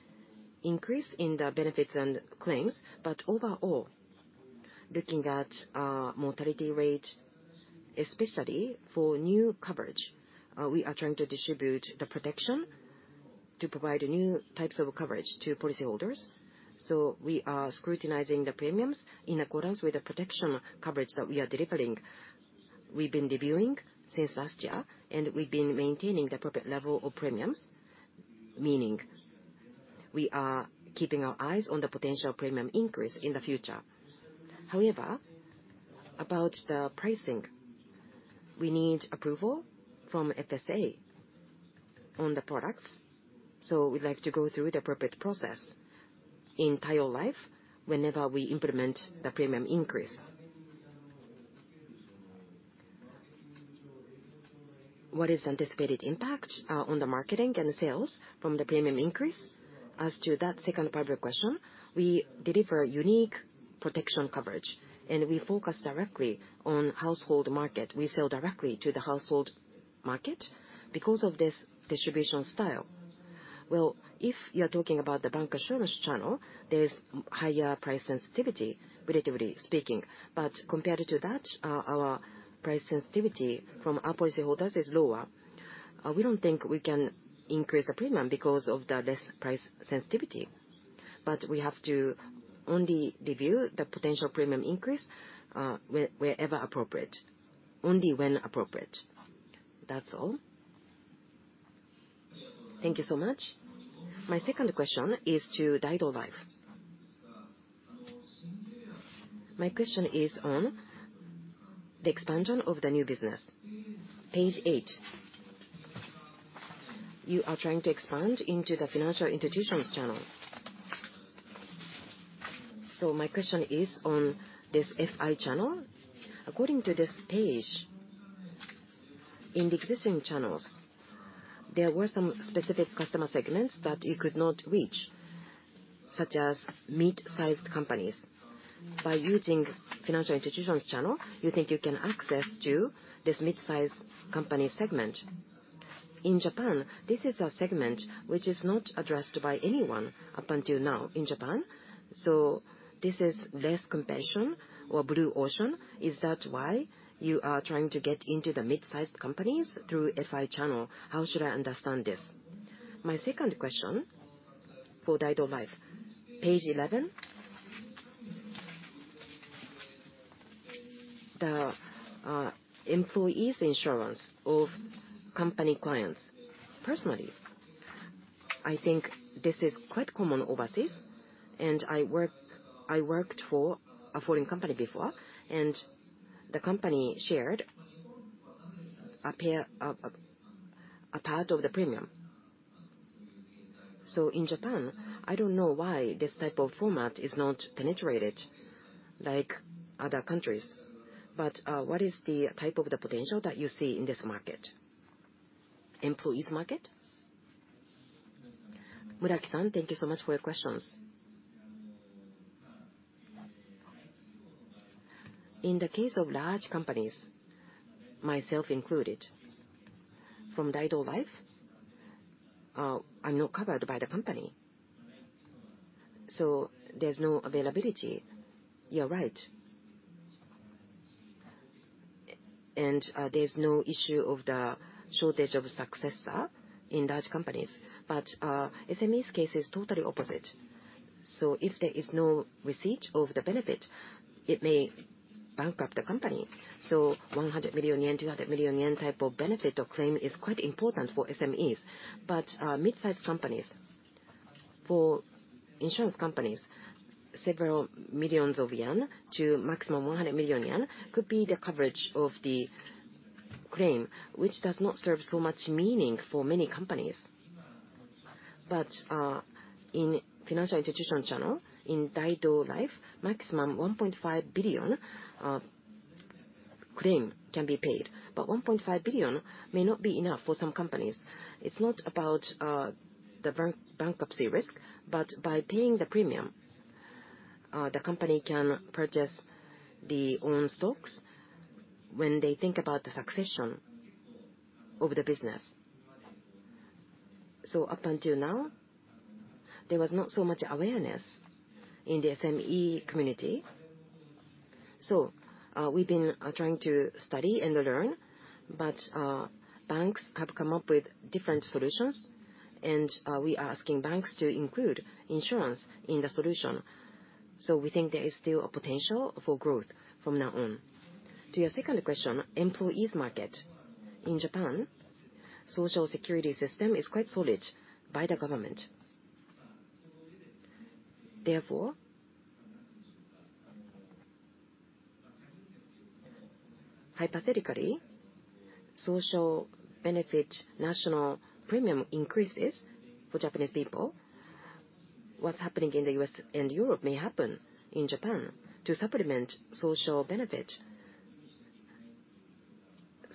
increase in the benefits and claims. But overall, looking at mortality rate, especially for new coverage, we are trying to distribute the protection to provide new types of coverage to policyholders. So we are scrutinizing the premiums in accordance with the protection coverage that we are delivering. We've been reviewing since last year, and we've been maintaining the appropriate level of premiums, meaning we are keeping our eyes on the potential premium increase in the future. However, about the pricing, we need approval from FSA on the products, so we'd like to go through the appropriate process in Taiyo Life whenever we implement the premium increase. What is anticipated impact on the marketing and sales from the premium increase? As to that second part of your question, we deliver unique protection coverage, and we focus directly on household market. We sell directly to the household market because of this distribution style. Well, if you are talking about the bancassurance channel, there is higher price sensitivity, relatively speaking. But compared to that, our price sensitivity from our policyholders is lower. We don't think we can increase the premium because of the less price sensitivity, but we have to only review the potential premium increase, wherever appropriate, only when appropriate. That's all. Thank you so much. My second question is to Daido Life. My question is on the expansion of the new business, page eight. You are trying to expand into the financial institutions channel. So my question is on this FI channel. According to this page, in the existing channels, there were some specific customer segments that you could not reach, such as mid-sized companies. By using financial institutions channel, you think you can access to this mid-sized company segment. In Japan, this is a segment which is not addressed by anyone up until now in Japan, so this is less competition or blue ocean. Is that why you are trying to get into the mid-sized companies through FI channel? How should I understand this? My second question for Daido Life, page 11. The employees' insurance of company clients. Personally, I think this is quite common overseas, and I worked for a foreign company before, and the company shared a part of the premium. So in Japan, I don't know why this type of format is not penetrated like other countries, but what is the type of the potential that you see in this market, employees market? Muraki-san, thank you so much for your questions. In the case of large companies, myself included, from Daido Life, I'm not covered by the company, so there's no availability. You're right. And, there's no issue of the shortage of successor in large companies, but SMEs case is totally opposite. So if there is no receipt of the benefit, it may bankrupt the company. So 100 million yen, 200 million yen type of benefit or claim is quite important for SMEs. But mid-sized companies, for insurance companies, several million of JPY to maximum 100 million yen could be the coverage of the claim, which does not serve so much meaning for many companies. But in financial institution channel, in Daido Life, maximum 1.5 billion claim can be paid. But 1.5 billion may not be enough for some companies. It's not about the bankruptcy risk, but by paying the premium, the company can purchase the own stocks when they think about the succession of the business. So up until now, there was not so much awareness in the SME community, so we've been trying to study and learn, but banks have come up with different solutions, and we are asking banks to include insurance in the solution. So we think there is still a potential for growth from now on. To your second question, employees market. In Japan, social security system is quite solid by the government. Therefore, hypothetically, social benefit national premium increases for Japanese people. What's happening in the U.S. and Europe may happen in Japan to supplement social benefit.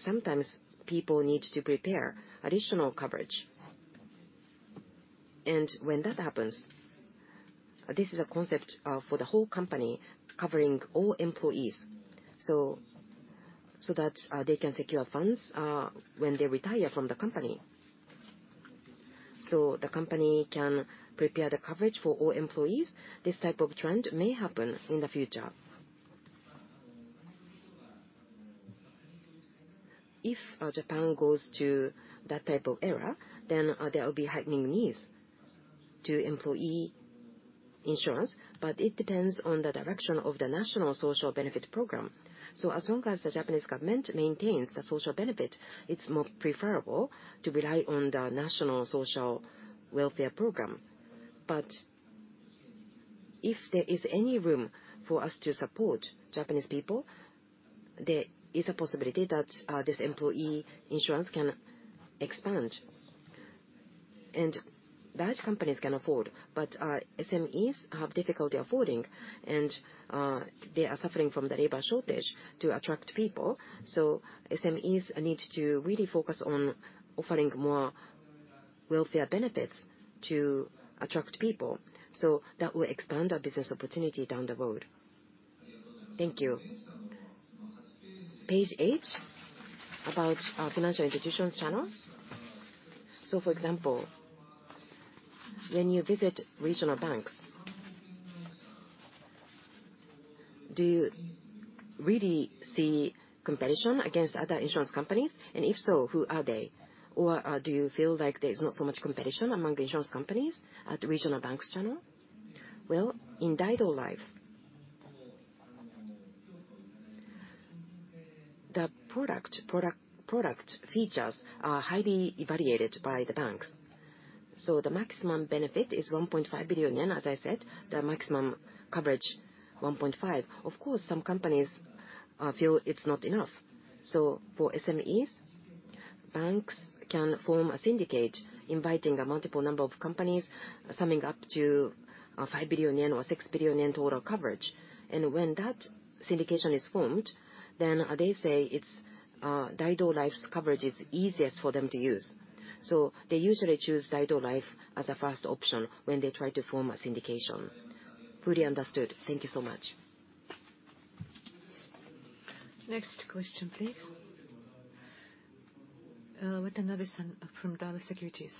Sometimes people need to prepare additional coverage and when that happens, this is a concept for the whole company, covering all employees, so that they can secure funds when they retire from the company. So the company can prepare the coverage for all employees. This type of trend may happen in the future. If Japan goes to that type of era, then there will be heightening needs to employee insurance, but it depends on the direction of the national social benefit program. So as long as the Japanese government maintains the social benefit, it's more preferable to rely on the national social welfare program. But if there is any room for us to support Japanese people, there is a possibility that, this employee insurance can expand. And large companies can afford, but, SMEs have difficulty affording, and, they are suffering from the labor shortage to attract people. So SMEs need to really focus on offering more welfare benefits to attract people, so that will expand our business opportunity down the road. Thank you. Page eight, about our financial institutions channels. So for example, when you visit regional banks, do you really see competition against other insurance companies? And if so, who are they? Or, do you feel like there is not so much competition among insurance companies at the regional banks channel? Well, in Daido Life, the product features are highly evaluated by the banks. So the maximum benefit is 1.5 billion yen, as I said, the maximum coverage, 1.5. Of course, some companies feel it's not enough. So for SMEs, banks can form a syndicate inviting a multiple number of companies, summing up to 5 billion yen or 6 billion yen total coverage. And when that syndication is formed, then they say it's Daido Life's coverage is easiest for them to use. So they usually choose Daido Life as a first option when they try to form a syndication. Fully understood. Thank you so much. Next question, please. Watanabe-san from Daiwa Securities.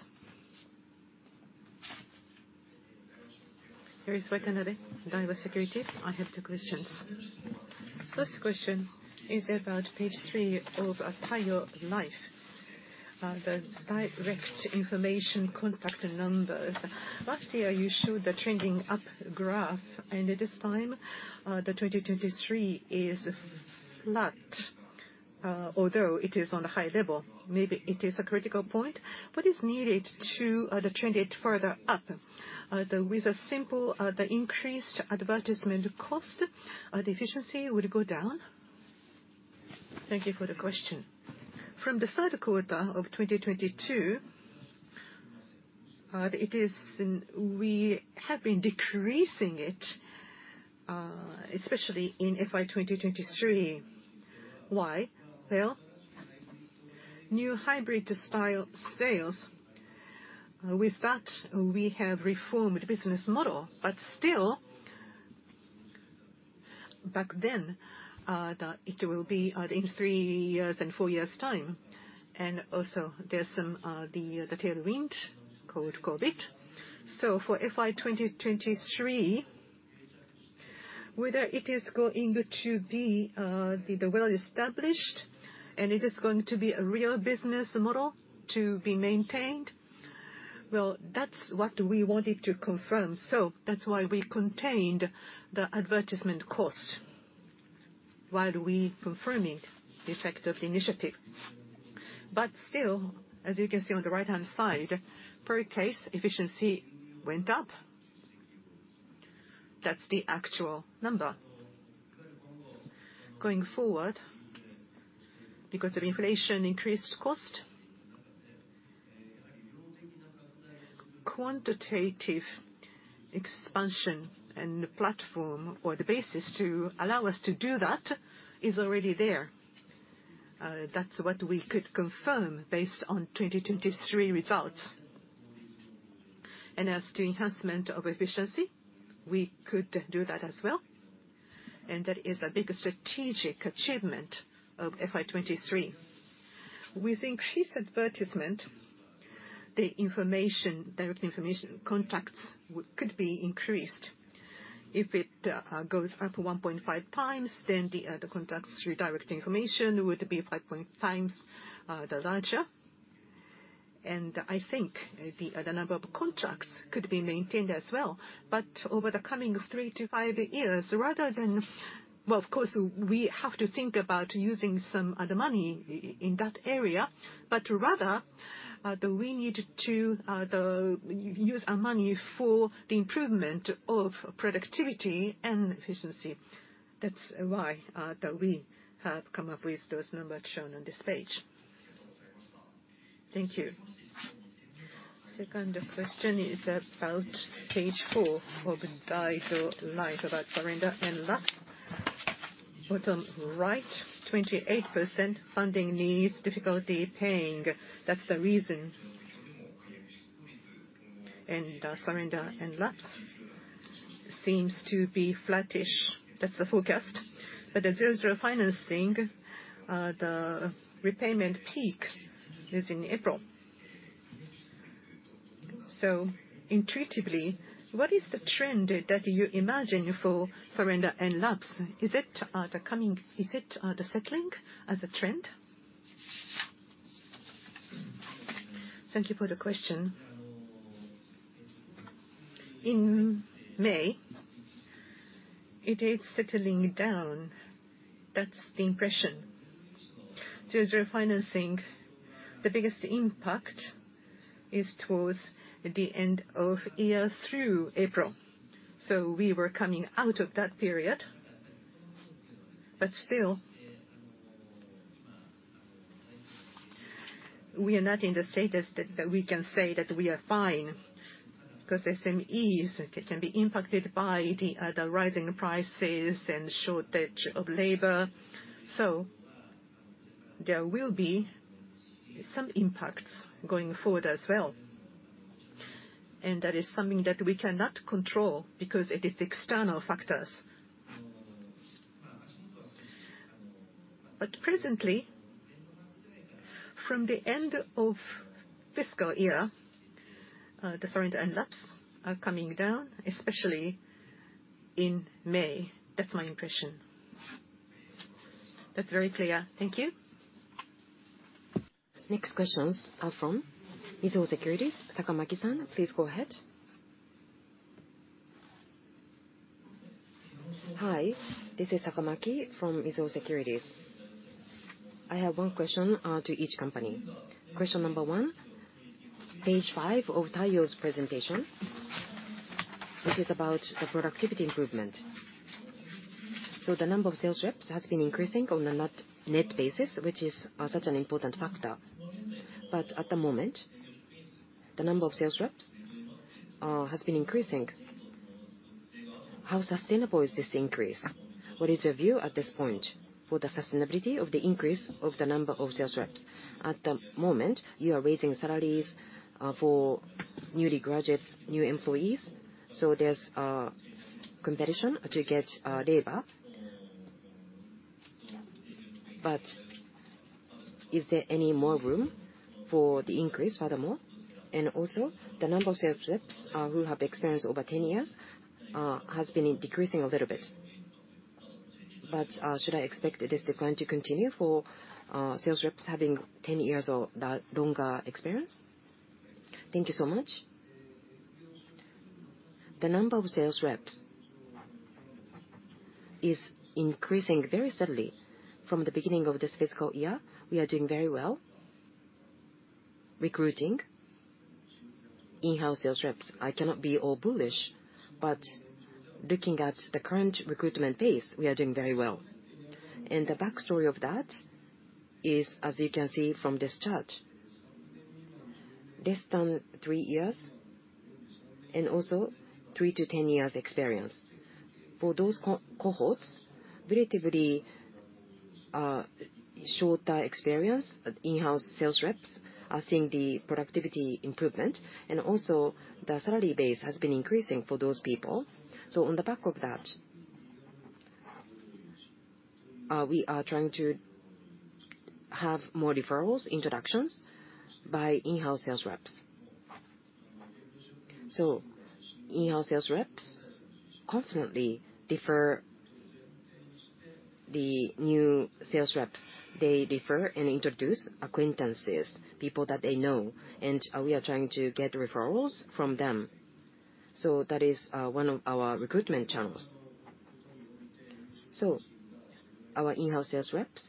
Here is Watanabe, Daiwa Securities. I have two questions. First question is about page three of Taiyo Life. The direct information contact numbers. Last year, you showed the trending up graph, and at this time, the 2023 is flat, although it is on a high level. Maybe it is a critical point. What is needed to the trend it further up? With a simple, the increased advertisement cost, the efficiency would go down? Thank you for the question. From the third quarter of 2022, we have been decreasing it, especially in FY 2023. Why? Well, new hybrid style sales, with that, we have reformed business model. But still, back then, it will be, in three years and fours years' time, and also there's some, the tailwind called COVID. So for FY 2023, whether it is going to be, the well-established and it is going to be a real business model to be maintained, well, that's what we wanted to confirm. So that's why we contained the advertisement cost while we confirming the effect of the initiative. But still, as you can see on the right-hand side, per case, efficiency went up. That's the actual number. Going forward, because of inflation increased cost, quantitative expansion and platform or the basis to allow us to do that is already there. That's what we could confirm based on 2023 results. As to enhancement of efficiency, we could do that as well, and that is a big strategic achievement of FY 2023. With increased advertisement, the information, direct information contacts could be increased. If it goes up 1.5 times, then the contacts through direct information would be 5 times the larger. And I think the number of contracts could be maintained as well. But over the coming three to five years, rather than... Well, of course, we have to think about using some the money in that area, but rather, we need to use our money for the improvement of productivity and efficiency. That's why that we have come up with those numbers shown on this page. Thank you. Second question is about page four of Daido Life, about surrender and lapse. Bottom right, 28% funding needs, difficulty paying, that's the reason. And surrender and lapse seems to be flattish, that's the forecast. But the zero-zero financing, the repayment peak is in April. So intuitively, what is the trend that you imagine for surrender and lapse? Is it the coming, is it the settling as a trend? Thank you for the question. In May, it is settling down. That's the impression. Zero-Zero financing, the biggest impact is towards the end of year through April, so we were coming out of that period. But still, we are not in the status that, that we can say that we are fine, 'cause SMEs, they can be impacted by the, the rising prices and shortage of labor. So there will be some impacts going forward as well, and that is something that we cannot control because it is external factors. But presently, from the end of fiscal year, the surrender and lapse are coming down, especially in May. That's my impression. That's very clear. Thank you. Next questions are from Mizuho Securities, Sakamaki-san, please go ahead. Hi, this is Sakamaki from Mizuho Securities. I have one question to each company. Question number one, page five of Taiyo's presentation, which is about the productivity improvement. So the number of sales reps has been increasing on a net basis, which is such an important factor. But at the moment, the number of sales reps has been increasing. How sustainable is this increase? What is your view at this point for the sustainability of the increase of the number of sales reps? At the moment, you are raising salaries for new graduates, new employees, so there's competition to get labor. But is there any more room for the increase furthermore? And also, the number of sales reps who have experience over 10 years has been decreasing a little bit. Should I expect this decline to continue for sales reps having 10 years or longer experience? Thank you so much. The number of sales reps is increasing very steadily. From the beginning of this fiscal year, we are doing very well, recruiting in-house sales reps. I cannot be all bullish, but looking at the current recruitment pace, we are doing very well. The backstory of that is, as you can see from this chart, less than three years and also three to 10 years experience. For those cohorts, relatively shorter experience, in-house sales reps are seeing the productivity improvement, and also, the salary base has been increasing for those people. So on the back of that, we are trying to have more referrals, introductions, by in-house sales reps. In-house sales reps confidently refer the new sales reps. They refer and introduce acquaintances, people that they know, and we are trying to get referrals from them. So that is one of our recruitment channels. So our in-house sales reps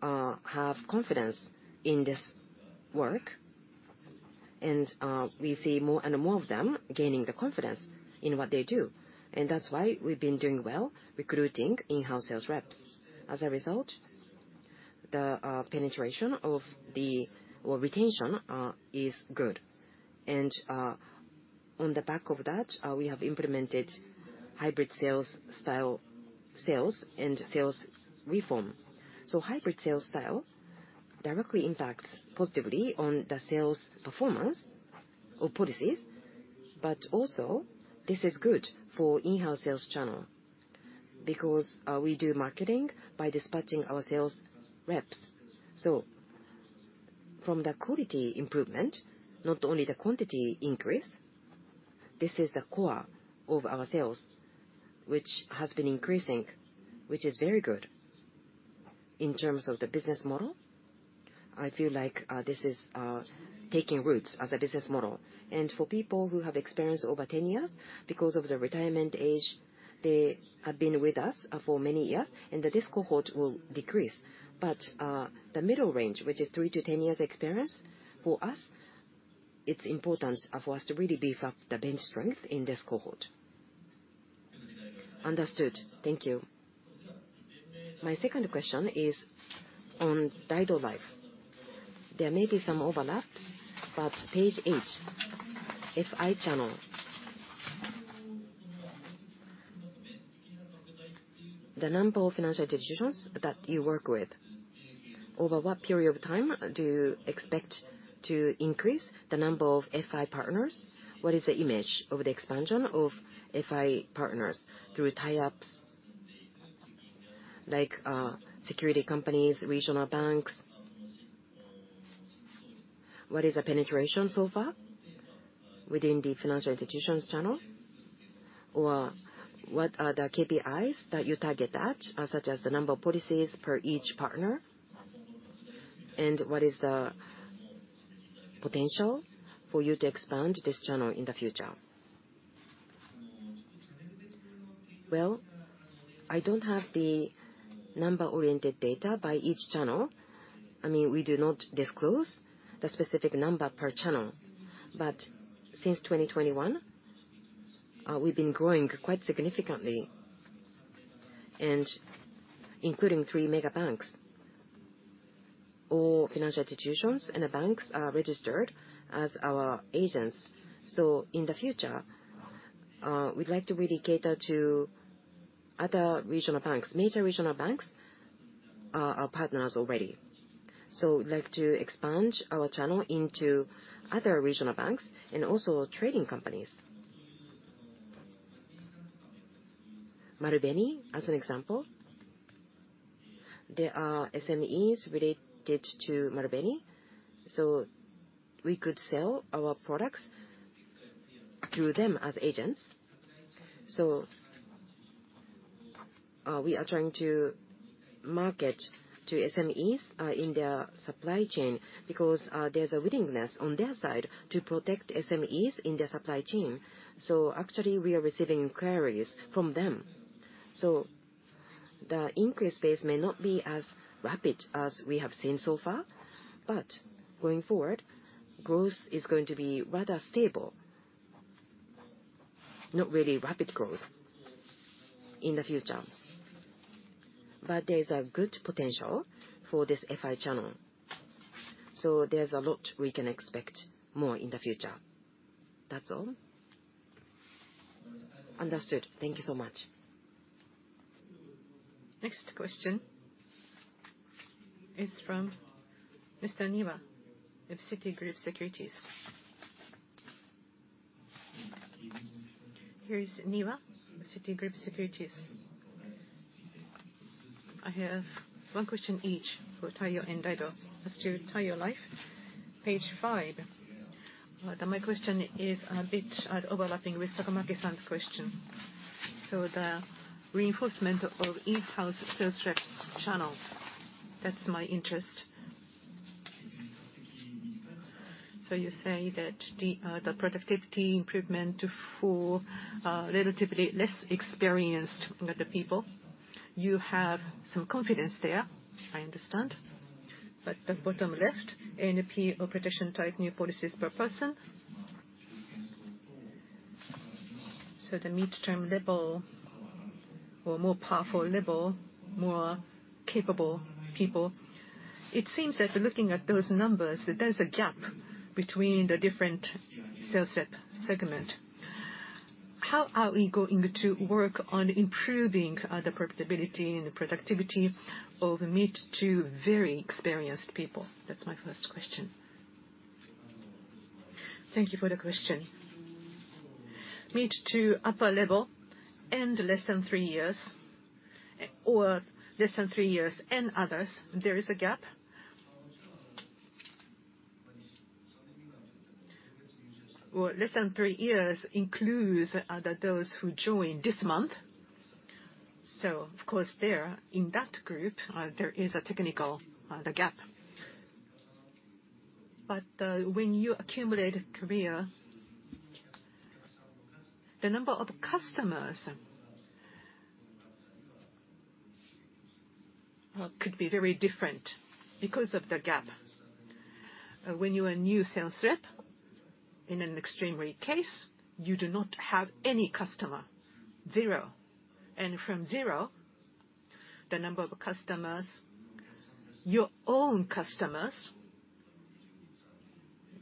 have confidence in this work, and we see more and more of them gaining the confidence in what they do. And that's why we've been doing well recruiting in-house sales reps. As a result, the penetration or retention is good. And on the back of that, we have implemented hybrid sales style, sales, and sales reform. So hybrid sales style directly impacts positively on the sales performance or policies, but also, this is good for in-house sales channel, because we do marketing by dispatching our sales reps. So from the quality improvement, not only the quantity increase, this is the core of our sales, which has been increasing, which is very good. In terms of the business model, I feel like this is taking roots as a business model. And for people who have experience over 10 years, because of the retirement age, they have been with us for many years, and that this cohort will decrease. But the middle range, which is three to 10 years experience, for us, it's important for us to really beef up the bench strength in this cohort. Understood. Thank you. My second question is on Daido Life. There may be some overlaps, but page eight, FI channel. The number of financial institutions that you work with, over what period of time do you expect to increase the number of FI partners? What is the image of the expansion of FI partners through tie-ups, like, securities companies, regional banks? What is the penetration so far within the financial institutions channel? Or what are the KPIs that you target at, such as the number of policies per each partner? And what is the potential for you to expand this channel in the future? Well, I don't have the number-oriented data by each channel. I mean, we do not disclose the specific number per channel. But since 2021, we've been growing quite significantly, and including three mega banks or financial institutions, and the banks are registered as our agents. So in the future, we'd like to really cater to other regional banks. Major regional banks are partners already. So we'd like to expand our channel into other regional banks and also trading companies. Marubeni, as an example, there are SMEs related to Marubeni, so we could sell our products through them as agents. So, we are trying to market to SMEs in their supply chain because there's a willingness on their side to protect SMEs in their supply chain. So actually, we are receiving inquiries from them. So the increase pace may not be as rapid as we have seen so far, but going forward, growth is going to be rather stable, not really rapid growth in the future. But there's a good potential for this FI channel, so there's a lot we can expect more in the future. That's all. Understood. Thank you so much. Next question is from Mr. Niwa of Citigroup Securities. Here is Niwa, Citigroup Securities. I have one question each for Taiyo and Daido. As to Taiyo Life, page five, my question is a bit, overlapping with Sakamaki-san's question. So the reinforcement of in-house sales reps channels, that's my interest. So you say that the, the productivity improvement for, relatively less experienced people, you have some confidence there, I understand. But the bottom left, ANP or production type, new policies per person. So the mid-term level or more powerful level, more capable people, it seems that looking at those numbers, there's a gap between the different sales rep segment. How are we going to work on improving, the profitability and the productivity of mid to very experienced people? That's my first question. Thank you for the question. Mid to upper level and less than three years, or less than three years and others, there is a gap. Well, less than three years includes those who joined this month. So of course, there, in that group, there is a technical the gap. But, when you accumulate career, the number of customers could be very different because of the gap. When you're a new sales rep, in an extremely case, you do not have any customer, zero. And from zero, the number of customers, your own customers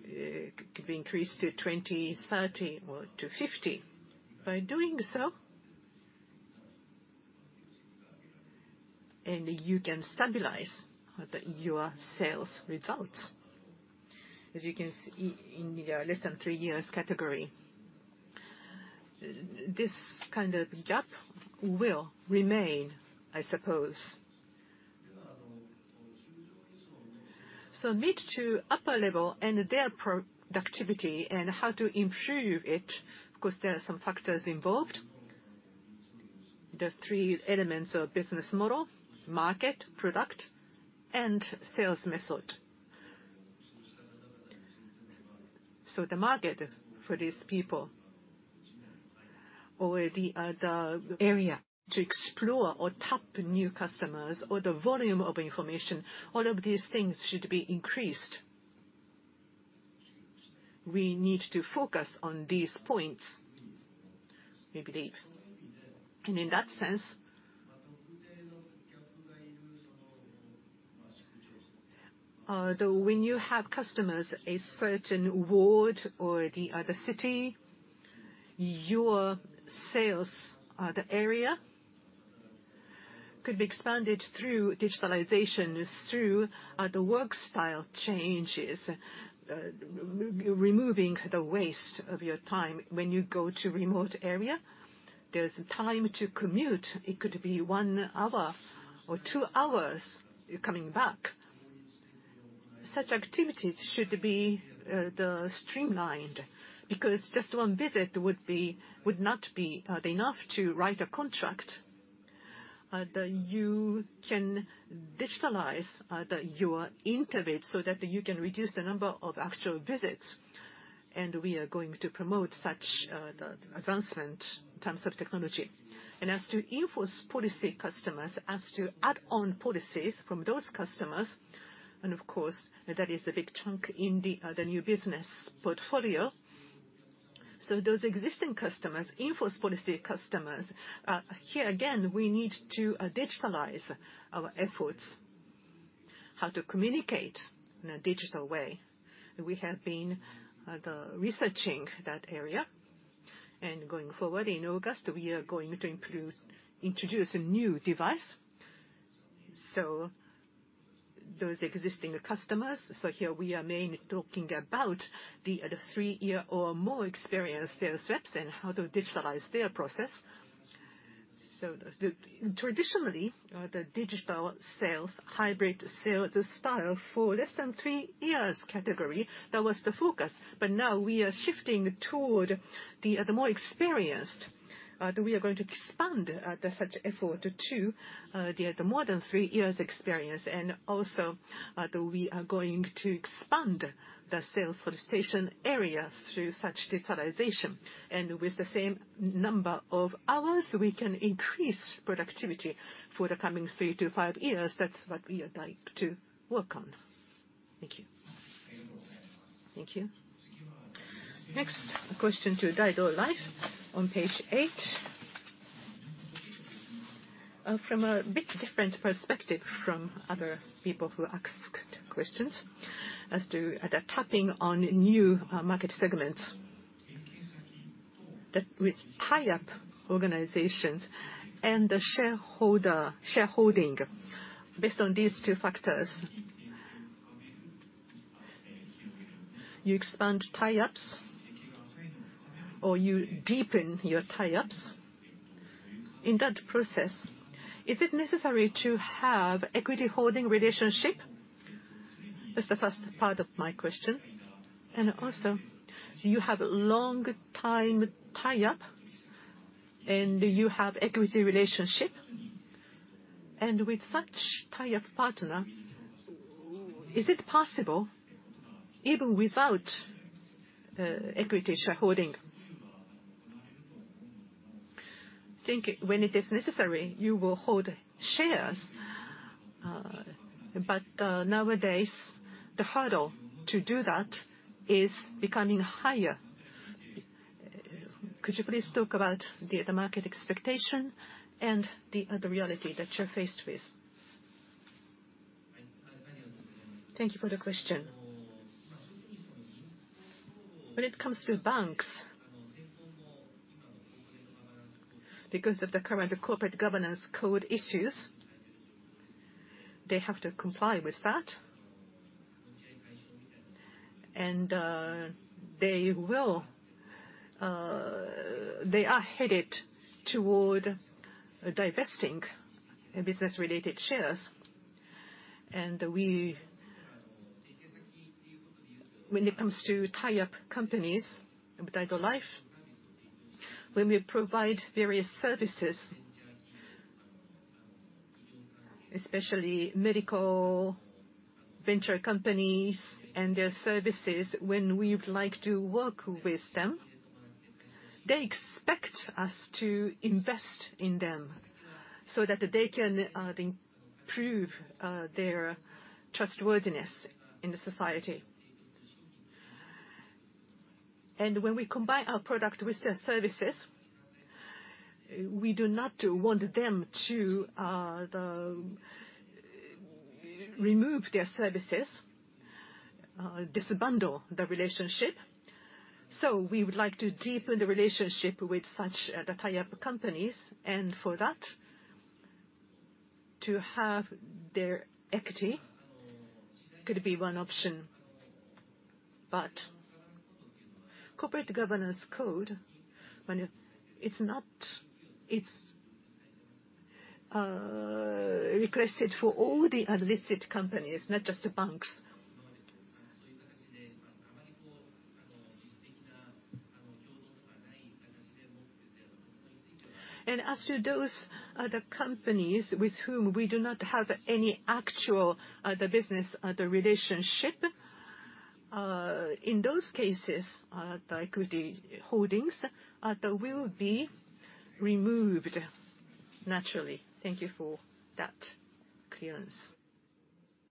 could be increased to 20, 30 or to 50. By doing so... and you can stabilize your sales results. As you can see in the less than three years category, this kind of gap will remain, I suppose. So mid to upper level and their productivity and how to improve it, because there are some factors involved. There's three elements of business model: market, product, and sales method. So the market for these people or the, the area to explore or tap new customers or the volume of information, all of these things should be increased. ... we need to focus on these points, we believe. And in that sense, though when you have customers, a certain ward or the other city, your sales, the area could be expanded through digitalization, through, the work style changes, removing the waste of your time. When you go to remote area, there's time to commute. It could be one hour or two hours coming back. Such activities should be, the streamlined, because just one visit would not be enough to write a contract. Then you can digitalize, the your interview so that you can reduce the number of actual visits, and we are going to promote such, the advancement in terms of technology. As to in-force policy customers, as to add-on policies from those customers, and of course, that is a big chunk in the new business portfolio. So those existing customers, in-force policy customers, here again, we need to digitalize our efforts, how to communicate in a digital way. We have been researching that area, and going forward in August, we are going to introduce a new device. So those existing customers, so here we are mainly talking about the three-year or more experienced sales reps and how to digitalize their process. So, traditionally, the digital sales, hybrid sales style for less than three years category, that was the focus. But now we are shifting toward the more experienced. We are going to expand the such effort to the more than three years experience. And also, we are going to expand the sales solicitation area through such digitalization. And with the same number of hours, we can increase productivity for the coming three to five years. That's what we would like to work on. Thank you. Thank you. Next, question to Daido Life on page eight. From a bit different perspective from other people who asked questions as to the tapping on new, market segments that with tie-up organizations and the shareholder, shareholding. Based on these two factors, you expand tie-ups or you deepen your tie-ups. In that process, is it necessary to have equity holding relationship? That's the first part of my question. And also, you have long time tie-up, and you have equity relationship. And with such tie-up partner, is it possible even without, equity shareholding? Think when it is necessary, you will hold shares. But nowadays, the hurdle to do that is becoming higher. Could you please talk about the market expectation and the reality that you're faced with? Thank you for the question. When it comes to banks, because of the current corporate governance code issues, they have to comply with that. And they will... They are headed toward divesting business-related shares. When it comes to tie-up companies with Daido Life, when we provide various services, especially medical venture companies and their services, when we would like to work with them, they expect us to invest in them so that they can improve their trustworthiness in the society. And when we combine our product with their services, we do not want them to remove their services, disbundle the relationship. So we would like to deepen the relationship with such tie-up companies, and for that, to have their equity could be one option. But Corporate Governance Code, when it's not requested for all the unlisted companies, not just the banks. And as to those other companies with whom we do not have any actual business relationship, in those cases, the equity holdings will be removed naturally. Thank you for that clearance.